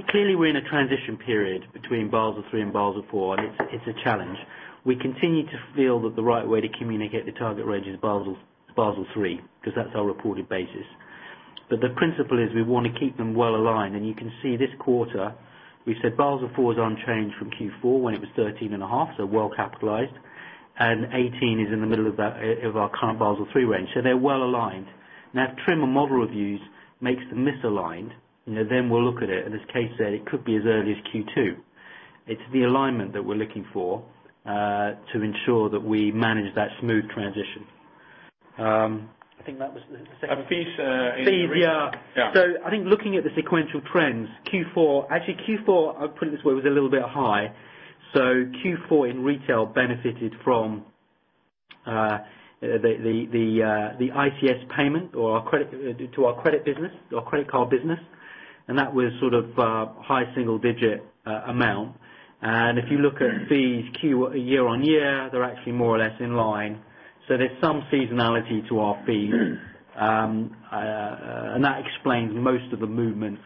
clearly we're in a transition period between Basel III and Basel IV, it's a challenge. We continue to feel that the right way to communicate the target range is Basel III, because that's our reported basis. The principle is we want to keep them well aligned. You can see this quarter, we've said Basel IV is unchanged from Q4 when it was 13.5%, so well capitalized. 18% is in the middle of our current Basel III range. They're well aligned. If TRIM and model reviews makes them misaligned, we'll look at it. As Kees said, it could be as early as Q2. It's the alignment that we're looking for to ensure that we manage that smooth transition. I think that was the second. Fees in retail. Fees. Yeah. I think looking at the sequential trends, Q4, I'll put it this way, was a little bit high. Q4 in retail benefited from the ICS payment to our credit business, our credit card business. That was a high single-digit EUR amount. If you look at fees year-on-year, they're actually more or less in line. There's some seasonality to our fees. That explains most of the movement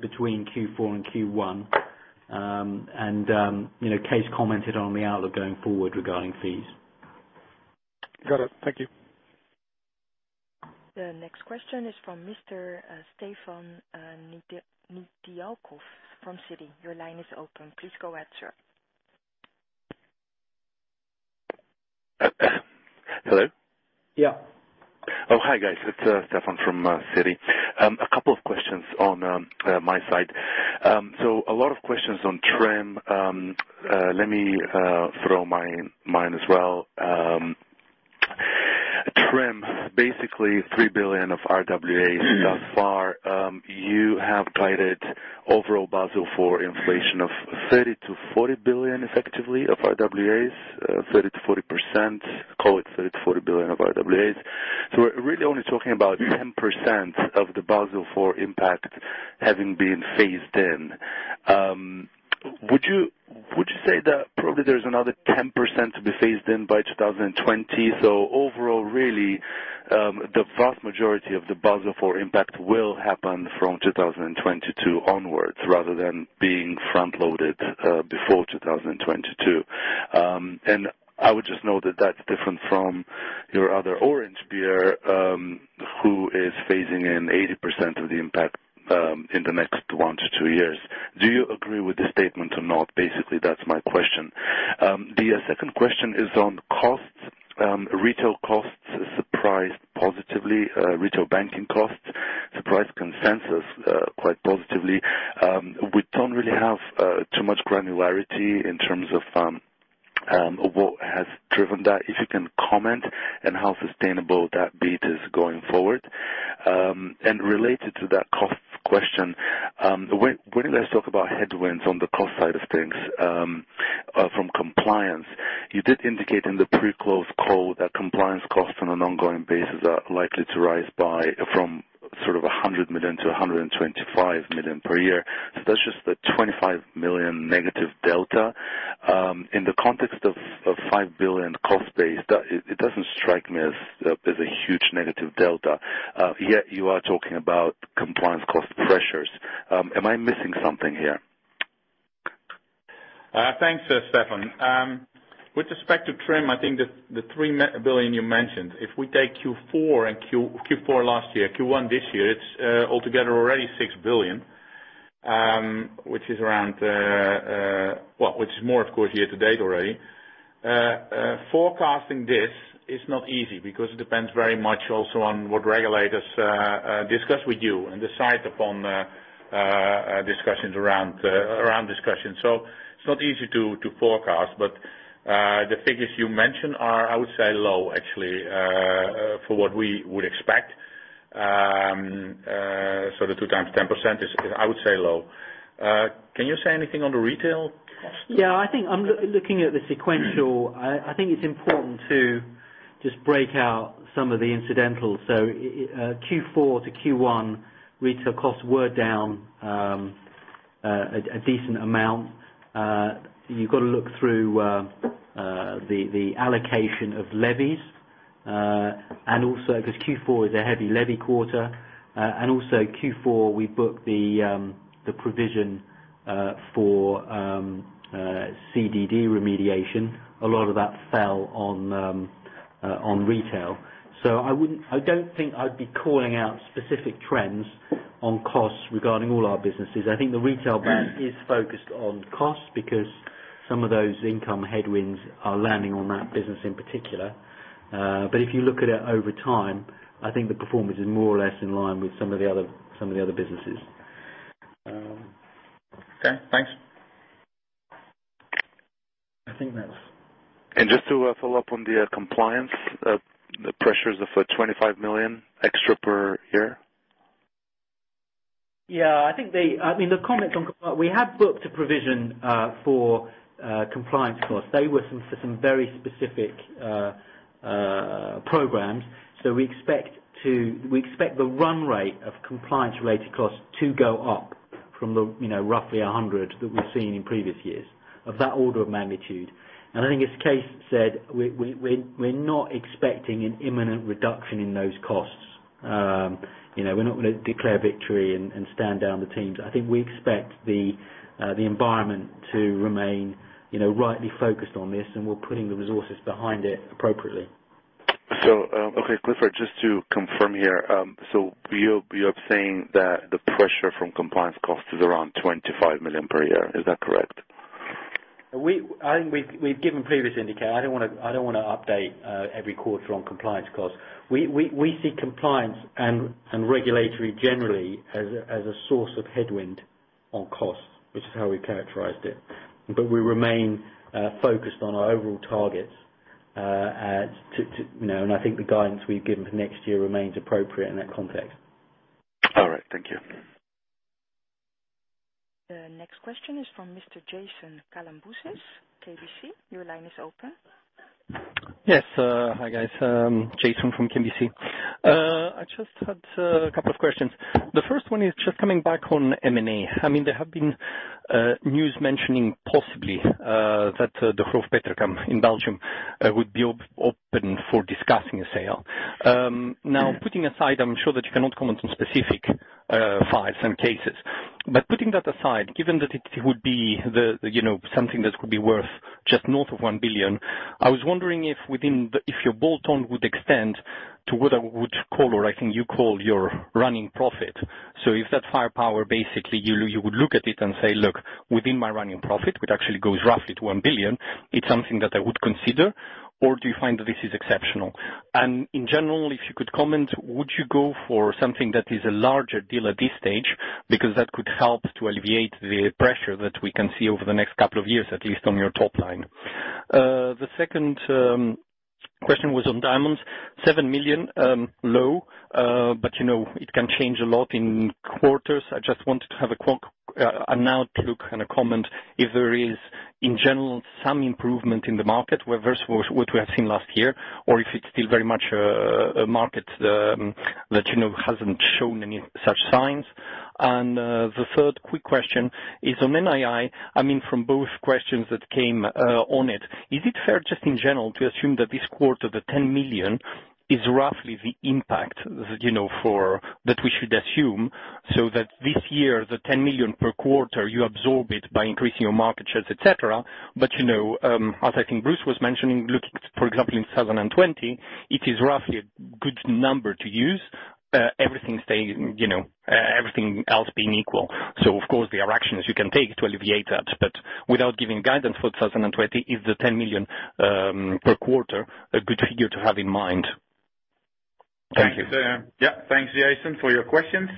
between Q4 and Q1. Kees commented on the outlook going forward regarding fees. Got it. Thank you. The next question is from Mr. Stefan Nedialkov from Citi. Your line is open. Please go ahead, sir. Hello? Yeah. Hi guys. It's Stefan from Citi. A couple of questions on my side. A lot of questions on TRIM. Let me throw mine as well. TRIM, basically 3 billion of RWAs thus far. You have guided overall Basel IV inflation of 30 billion-40 billion effectively of RWAs, 30%-40%, call it 30 billion-40 billion of RWAs. We're really only talking about 10% of the Basel IV impact having been phased in. Would you say that probably there's another 10% to be phased in by 2020? Overall, really, the vast majority of the Basel IV impact will happen from 2022 onwards rather than being front-loaded before 2022. I would just note that that's different from your other orange peer, who is phasing in 80% of the impact in the next one to two years. Do you agree with this statement or not? Basically, that's my question. The second question is on costs. Retail costs surprised positively. Retail banking costs surprised consensus quite positively. We don't really have too much granularity in terms of what has driven that. If you can comment on how sustainable that beat is going forward. Related to that cost question, when ABN AMRO talks about headwinds on the cost side of things from compliance, you did indicate in the pre-close call that compliance costs on an ongoing basis are likely to rise from sort of 100 million to 125 million per year. That's just a 25 million negative delta. In the context of 5 billion cost base, it doesn't strike me as a huge negative delta. Yet you are talking about compliance cost pressures. Am I missing something here? Thanks, Stefan. With respect to TRIM, I think the 3 billion you mentioned, if we take Q4 last year, Q1 this year, it's altogether already 6 billion, which is more of course year-to-date already. Forecasting this is not easy because it depends very much also on what regulators discuss with you and decide upon discussions around discussions. It's not easy to forecast, but the figures you mentioned are, I would say low actually, for what we would expect. The 2 times 10% is I would say low. Can you say anything on the retail cost? Yeah, I'm looking at the sequential. I think it's important to just break out some of the incidentals. Q4 to Q1, retail costs were down a decent amount. You've got to look through the allocation of levies, and also because Q4 is a heavy levy quarter, and also Q4, we book the provision for CDD remediation. A lot of that fell on retail. I don't think I'd be calling out specific trends on costs regarding all our businesses. I think the retail bank is focused on costs because some of those income headwinds are landing on that business in particular. If you look at it over time, I think the performance is more or less in line with some of the other businesses. Okay, thanks. I think that's Just to follow up on the compliance, the pressures of 25 million extra per year. Yeah, the comment on compliance. We have booked a provision for compliance costs. They were for some very specific programs. We expect the run rate of compliance related costs to go up from the roughly 100 million that we've seen in previous years, of that order of magnitude. I think as Kees said, we're not expecting an imminent reduction in those costs. We're not going to declare victory and stand down the teams. I think we expect the environment to remain rightly focused on this, and we're putting the resources behind it appropriately. Okay, Clifford, just to confirm here. You're saying that the pressure from compliance cost is around 25 million per year. Is that correct? We've given previous indicator. I don't want to update every quarter on compliance cost. We see compliance and regulatory generally as a source of headwind on costs, which is how we characterized it. We remain focused on our overall targets, and I think the guidance we've given for next year remains appropriate in that context. All right. Thank you. The next question is from Mr. Jason Kalamboussis, KBC. Your line is open. Yes. Hi, guys. Jason from KBC. I just had a couple of questions. The first one is just coming back on M&A. There have been news mentioning possibly that Degroof Petercam in Belgium would be open for discussing a sale. Now, putting aside, I'm sure that you cannot comment on specific files and cases. Putting that aside, given that it would be something that could be worth just north of 1 billion, I was wondering if your bolt-on would extend to what I would call, or I think you call your running profit. If that firepower, basically, you would look at it and say, "Look, within my running profit, which actually goes roughly to 1 billion, it's something that I would consider." Do you find that this is exceptional? In general, if you could comment, would you go for something that is a larger deal at this stage because that could help to alleviate the pressure that we can see over the next couple of years, at least on your top line. The second question was on diamonds. 7 million low, but it can change a lot in quarters. I just wanted to have an outlook and a comment if there is in general, some improvement in the market versus what we have seen last year, or if it's still very much a market that hasn't shown any such signs. The third quick question is on NII. From both questions that came on it, is it fair just in general to assume that this quarter, the 10 million is roughly the impact that we should assume so that this year, the 10 million per quarter, you absorb it by increasing your market shares, et cetera. As I think Bruce was mentioning, looking, for example, in 2020, it is roughly a good number to use. Everything else being equal. Of course, there are actions you can take to alleviate that. Without giving guidance for 2020, is the 10 million per quarter a good figure to have in mind? Thank you. Thanks, Jason, for your questions.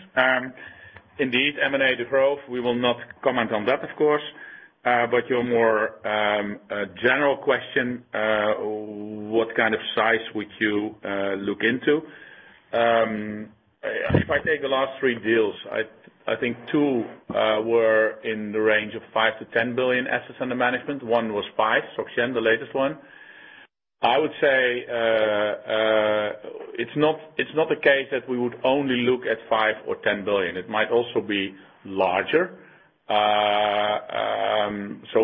Indeed, M&A Degroof, we will not comment on that, of course. Your more general question, what kind of size would you look into? If I take the last three deals, I think two were in the range of 5 billion-10 billion assets under management. One was 5 billion, Oxiana, the latest one. I would say it's not a case that we would only look at 5 billion or 10 billion. It might also be larger.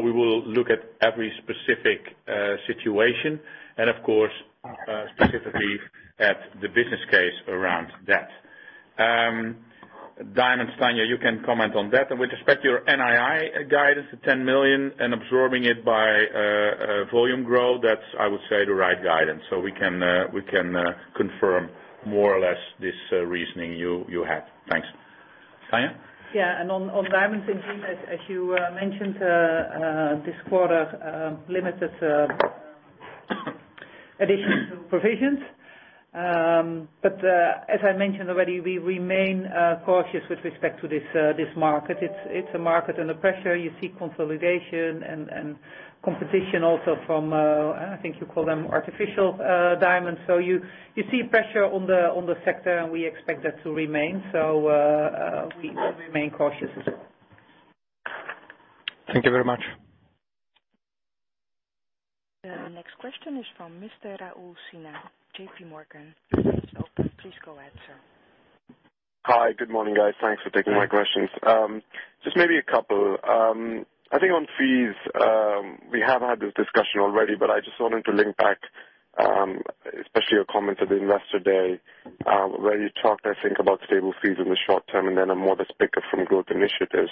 We will look at every specific situation and of course, specifically at the business case around that. Diamonds. Tanja, you can comment on that. With respect to your NII guidance, the 10 million and absorbing it by volume growth, that's, I would say, the right guidance. We can confirm more or less this reasoning you have. Thanks. Tanja? On diamonds, indeed, as you mentioned, this quarter limited additions to provisions. As I mentioned already, we remain cautious with respect to this market. It's a market under pressure. You see consolidation and competition also from, I think you call them artificial diamonds. You see pressure on the sector, we expect that to remain. We remain cautious. Thank you very much. The next question is from Mr. Rahul Sinha, J.P. Morgan. Please go ahead, sir. Hi. Good morning, guys. Thanks for taking my questions. Just maybe a couple. I think on fees, we have had this discussion already, but I just wanted to link back, especially your comments at the investor day, where you talked, I think, about stable fees in the short term and then a modest pickup from growth initiatives.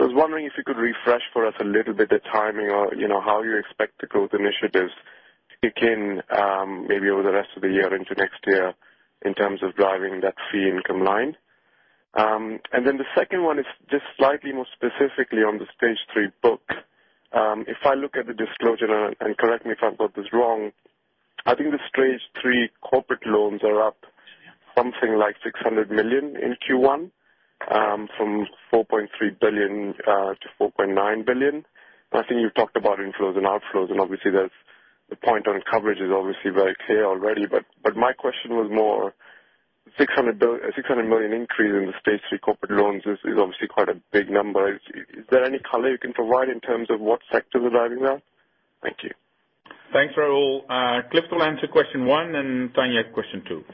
I was wondering if you could refresh for us a little bit, the timing or how you expect the growth initiatives to kick in, maybe over the rest of the year into next year, in terms of driving that fee income line. The second one is just slightly more specifically on the Stage 3 book. If I look at the disclosure, and correct me if I've got this wrong, I think the Stage 3 corporate loans are up something like 600 million in Q1, from 4.3 billion to 4.9 billion. I think you've talked about inflows and outflows, and obviously the point on coverage is obviously very clear already. My question was more, 600 million increase in the Stage 3 corporate loans is obviously quite a big number. Is there any color you can provide in terms of what sector is driving that? Thank you. Thanks, Rahul. Cliff will answer question one, and Tanja, question two.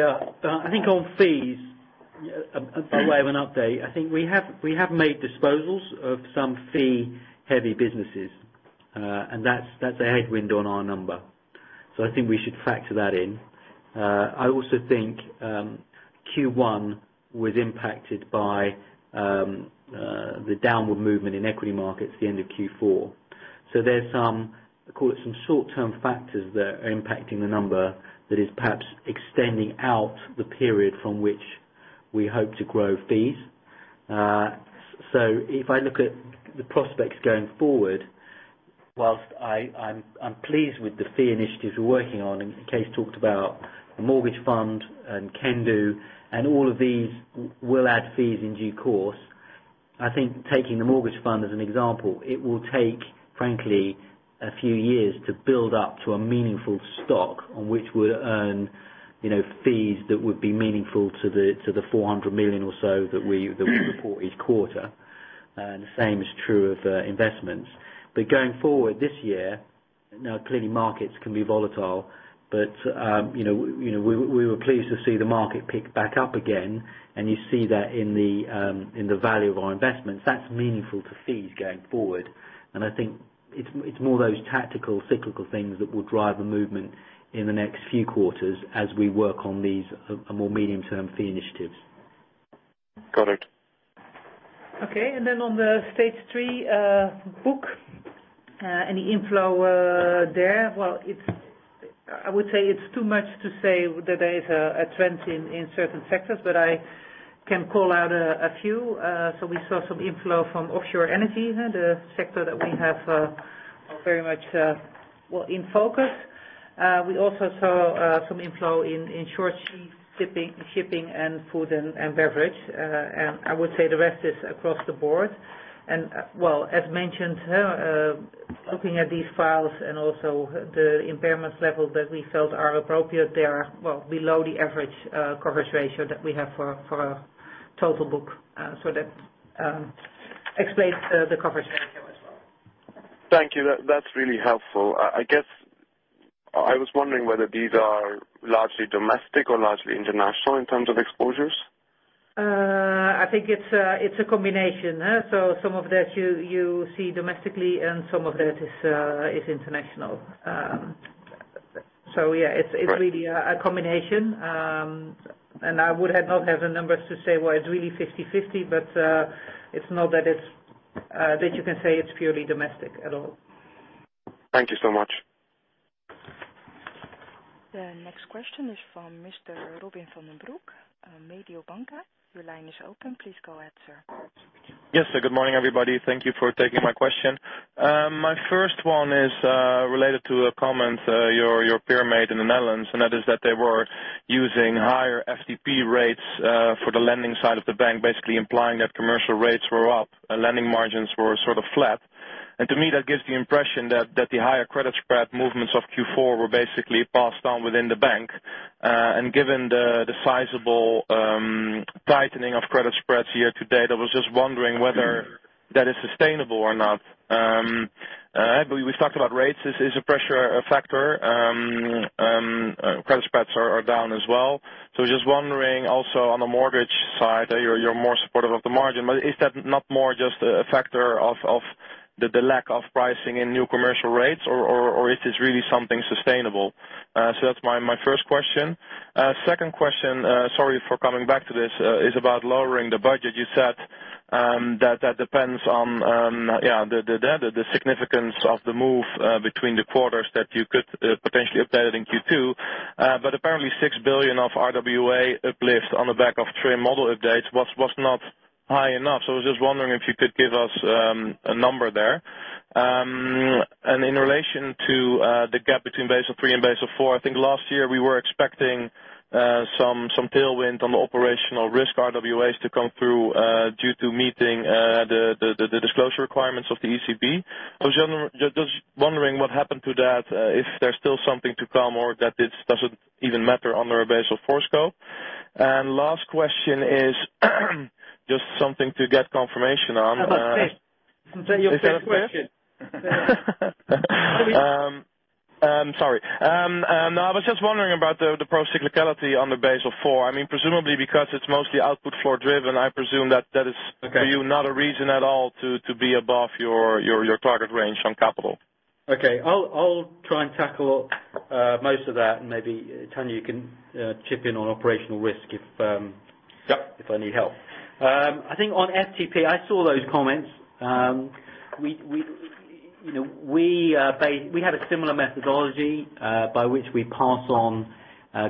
I think on fees, by way of an update, I think we have made disposals of some fee heavy businesses, and that's a headwind on our number. I think we should factor that in. I also think Q1 was impacted by the downward movement in equity markets at the end of Q4. There's some, I call it some short-term factors there are impacting the number that is perhaps extending out the period from which we hope to grow fees. If I look at the prospects going forward, whilst I'm pleased with the fee initiatives we're working on, and Kees talked about the mortgage fund and Kendu, and all of these will add fees in due course. I think taking the mortgage fund as an example, it will take, frankly, a few years to build up to a meaningful stock on which we'll earn fees that would be meaningful to the 400 million or so that we report each quarter. The same is true of investments. Going forward this year, now clearly markets can be volatile, but we were pleased to see the market pick back up again, and you see that in the value of our investments. That's meaningful to fees going forward. I think it's more those tactical cyclical things that will drive a movement in the next few quarters as we work on these more medium-term fee initiatives. Got it. Okay. On the Stage 3 book, any inflow there? I would say it's too much to say that there is a trend in certain sectors, but I can call out a few. We saw some inflow from offshore energy, the sector that we have very much in focus. We also saw some inflow in short-sea shipping and food and beverage. I would say the rest is across the board. As mentioned, looking at these files and also the impairments level that we felt are appropriate, they are below the average coverage ratio that we have for our total book. That explains the coverage ratio as well. Thank you. That's really helpful. I guess I was wondering whether these are largely domestic or largely international in terms of exposures. I think it's a combination. Some of that you see domestically and some of that is international. It's really a combination. I would not have the numbers to say, 'Well, it's really 50/50,' but it's not that you can say it's purely domestic at all. Thank you so much. The next question is from Mr. Robin van den Broek, Mediobanca. Your line is open. Please go ahead, sir. Yes. Good morning, everybody. Thank you for taking my question. My first one is related to a comment your peer made in the Netherlands, that is that they were using higher FTP rates for the lending side of the bank, basically implying that commercial rates were up and lending margins were sort of flat. To me, that gives the impression that the higher credit spread movements of Q4 were basically passed on within the bank. Given the sizable tightening of credit spreads year-to-date, I was just wondering whether that is sustainable or not. We've talked about rates, is the pressure a factor? Credit spreads are down as well. Just wondering also on the mortgage side, you're more supportive of the margin, but is that not more just a factor of the lack of pricing in new commercial rates or if it's really something sustainable. That's my first question. Second question, sorry for coming back to this, is about lowering the budget. You said that depends on the data, the significance of the move between the quarters that you could potentially update it in Q2. Apparently 6 billion of RWA uplift on the back of TRIM model updates was not high enough. I was just wondering if you could give us a number there. In relation to the gap between Basel III and Basel IV, I think last year we were expecting some tailwind on the operational risk RWAs to come through due to meeting the disclosure requirements of the ECB. I was just wondering what happened to that, if there's still something to come or that it doesn't even matter under a Basel IV scope. Last question is just something to get confirmation on. How about six? Isn't that your favorite question? Sorry. No, I was just wondering about the procyclicality on the Basel IV. Presumably because it's mostly output floor driven, I presume that that is for you. Okay not a reason at all to be above your target range on capital. Okay. I'll try and tackle most of that, and maybe Tanja, you can chip in on operational risk. Yeah If I need help. I think on FTP, I saw those comments. We have a similar methodology by which we pass on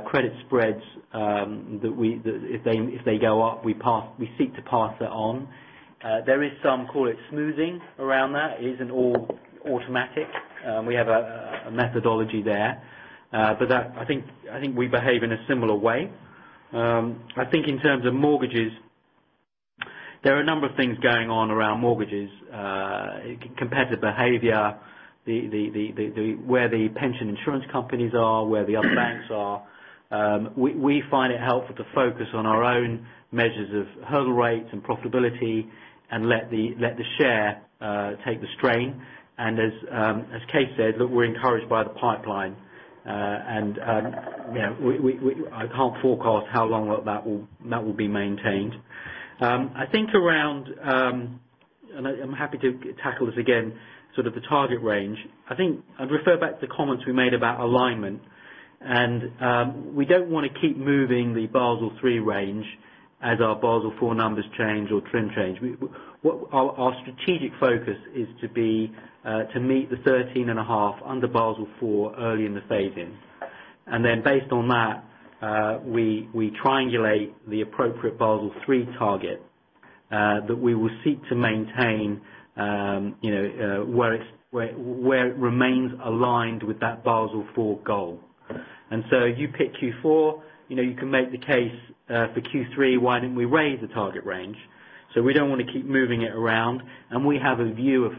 credit spreads, if they go up, we seek to pass that on. There is some, call it smoothing around that. It isn't all automatic. We have a methodology there. I think we behave in a similar way. I think in terms of mortgages, there are a number of things going on around mortgages. Competitive behavior, where the pension insurance companies are, where the other banks are. We find it helpful to focus on our own measures of hurdle rates and profitability and let the share take the strain. As Kees said, look, we're encouraged by the pipeline. I can't forecast how long that will be maintained. I think around, and I'm happy to tackle this again, sort of the target range. I'd refer back to the comments we made about alignment. We don't want to keep moving the Basel III range as our Basel IV numbers change or TRIM change. Our strategic focus is to meet the 13.5 under Basel IV early in the phase-in. Based on that, we triangulate the appropriate Basel III target that we will seek to maintain where it remains aligned with that Basel IV goal. You pick Q4, you can make the case for Q3, why didn't we raise the target range? We don't want to keep moving it around, and we have a view of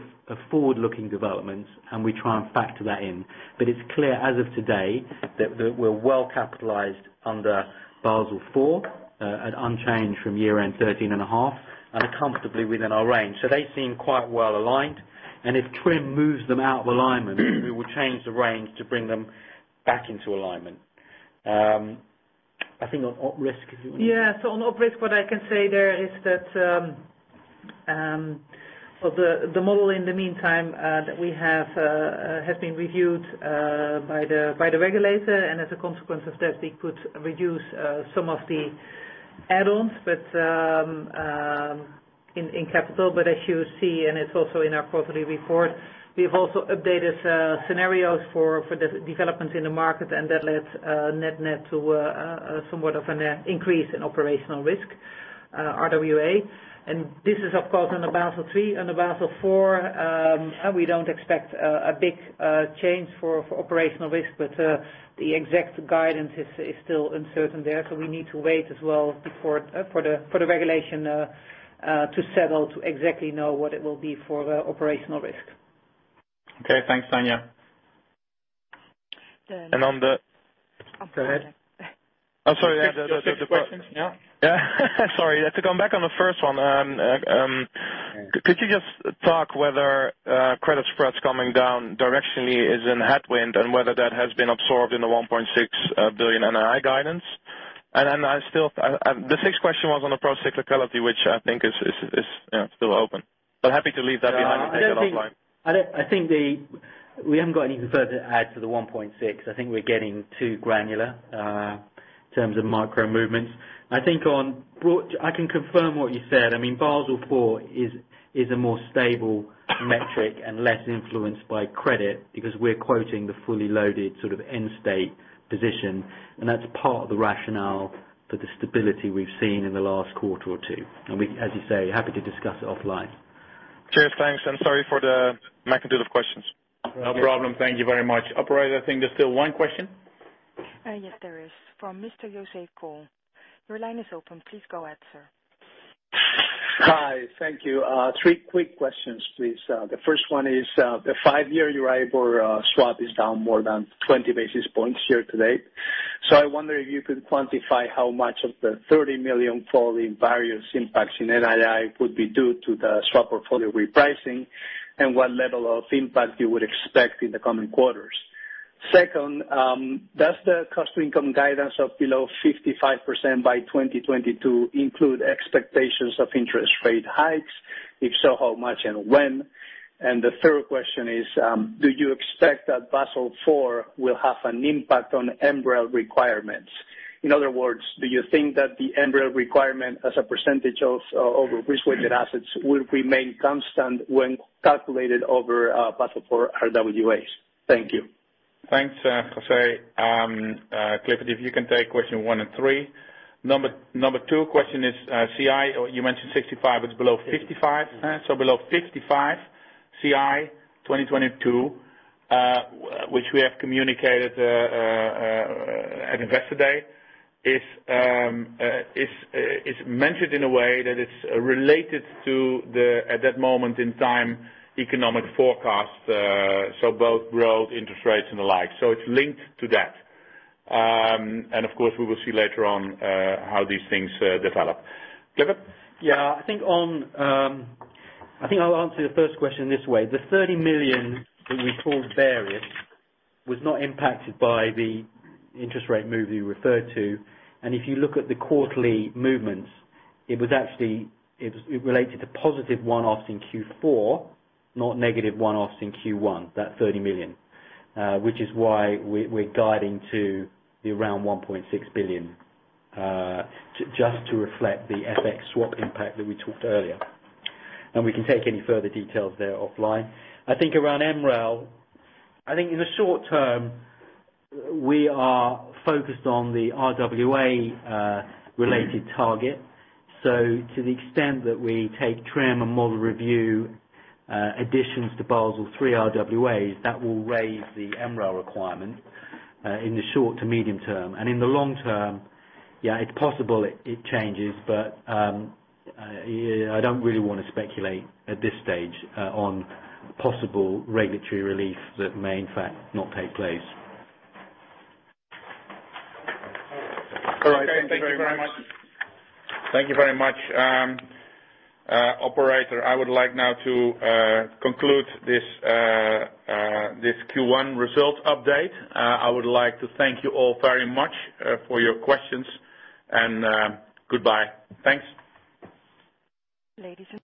forward-looking developments, and we try and factor that in. It's clear as of today that we're well capitalized under Basel IV at unchanged from year-end 13.5 and are comfortably within our range. They seem quite well aligned. If TRIM moves them out of alignment, we will change the range to bring them back into alignment. I think on op risk, if you Yeah. On op risk, what I can say there is that the model in the meantime that we have has been reviewed by the regulator, and as a consequence of that, we could reduce some of the add-ons in capital. As you see, and it's also in our quarterly report, we've also updated scenarios for the developments in the market, and that led net net to somewhat of an increase in operational risk, RWA. This is, of course, on the Basel III and the Basel IV. We don't expect a big change for operational risk, but the exact guidance is still uncertain there. We need to wait as well for the regulation to settle, to exactly know what it will be for the operational risk. Okay. Thanks, Tanja. Then- On the Oh, go ahead. I'm sorry. Your sixth question. Yeah. Yeah. Sorry. To come back on the first one, could you just talk whether credit spreads coming down directionally is in headwind, and whether that has been absorbed in the 1.6 billion NII guidance? The sixth question was on the procyclicality, which I think is still open, but happy to leave that behind if you think I don't have time. I think we haven't got anything further to add to the 1.6 billion. I think we're getting too granular in terms of micro movements. I can confirm what you said. Basel IV is a more stable metric and less influenced by credit because we're quoting the fully loaded end state position, and that's part of the rationale for the stability we've seen in the last quarter or two. As you say, happy to discuss it offline. Cheers. Thanks, and sorry for the magnitude of questions. No problem. Thank you very much. Operator, I think there's still one question. Yes, there is, from Mr. José Coll. Your line is open. Please go ahead, sir. Hi. Thank you. Three quick questions, please. The first one is, the five-year EURIBOR swap is down more than 20 basis points here today. I wonder if you could quantify how much of the 30 million fall in various impacts in NII would be due to the swap portfolio repricing, and what level of impact you would expect in the coming quarters. Second, does the cost-to-income guidance of below 55% by 2022 include expectations of interest rate hikes? If so, how much and when? The third question is, do you expect that Basel IV will have an impact on MREL requirements? In other words, do you think that the MREL requirement as a percentage of risk-weighted assets will remain constant when calculated over Basel IV RWAs? Thank you. Thanks, José. Clifford, if you can take question one and three. Number two question is CI, you mentioned 65, it's below 55. Below 55 CI 2022, which we have communicated at Investor Day, is mentioned in a way that it's related to the, at that moment in time, economic forecast, so both growth, interest rates, and the like. It's linked to that. Of course, we will see later on how these things develop. Clifford? Yeah. I think I'll answer the first question this way. The 30 million that we called various was not impacted by the interest rate move you referred to. If you look at the quarterly movements, it related to positive one-offs in Q4, not negative one-offs in Q1, that 30 million, which is why we're guiding to the around 1.6 billion, just to reflect the FX swap impact that we talked earlier. We can take any further details there offline. I think around MREL, I think in the short term, we are focused on the RWA-related target. To the extent that we take TRIM and model review additions to Basel III RWAs, that will raise the MREL requirement in the short to medium term. In the long term, yeah, it's possible it changes, but I don't really want to speculate at this stage on possible regulatory relief that may, in fact, not take place. All right. Thank you very much. Operator, I would like now to conclude this Q1 result update. I would like to thank you all very much for your questions, and goodbye. Thanks. Ladies and.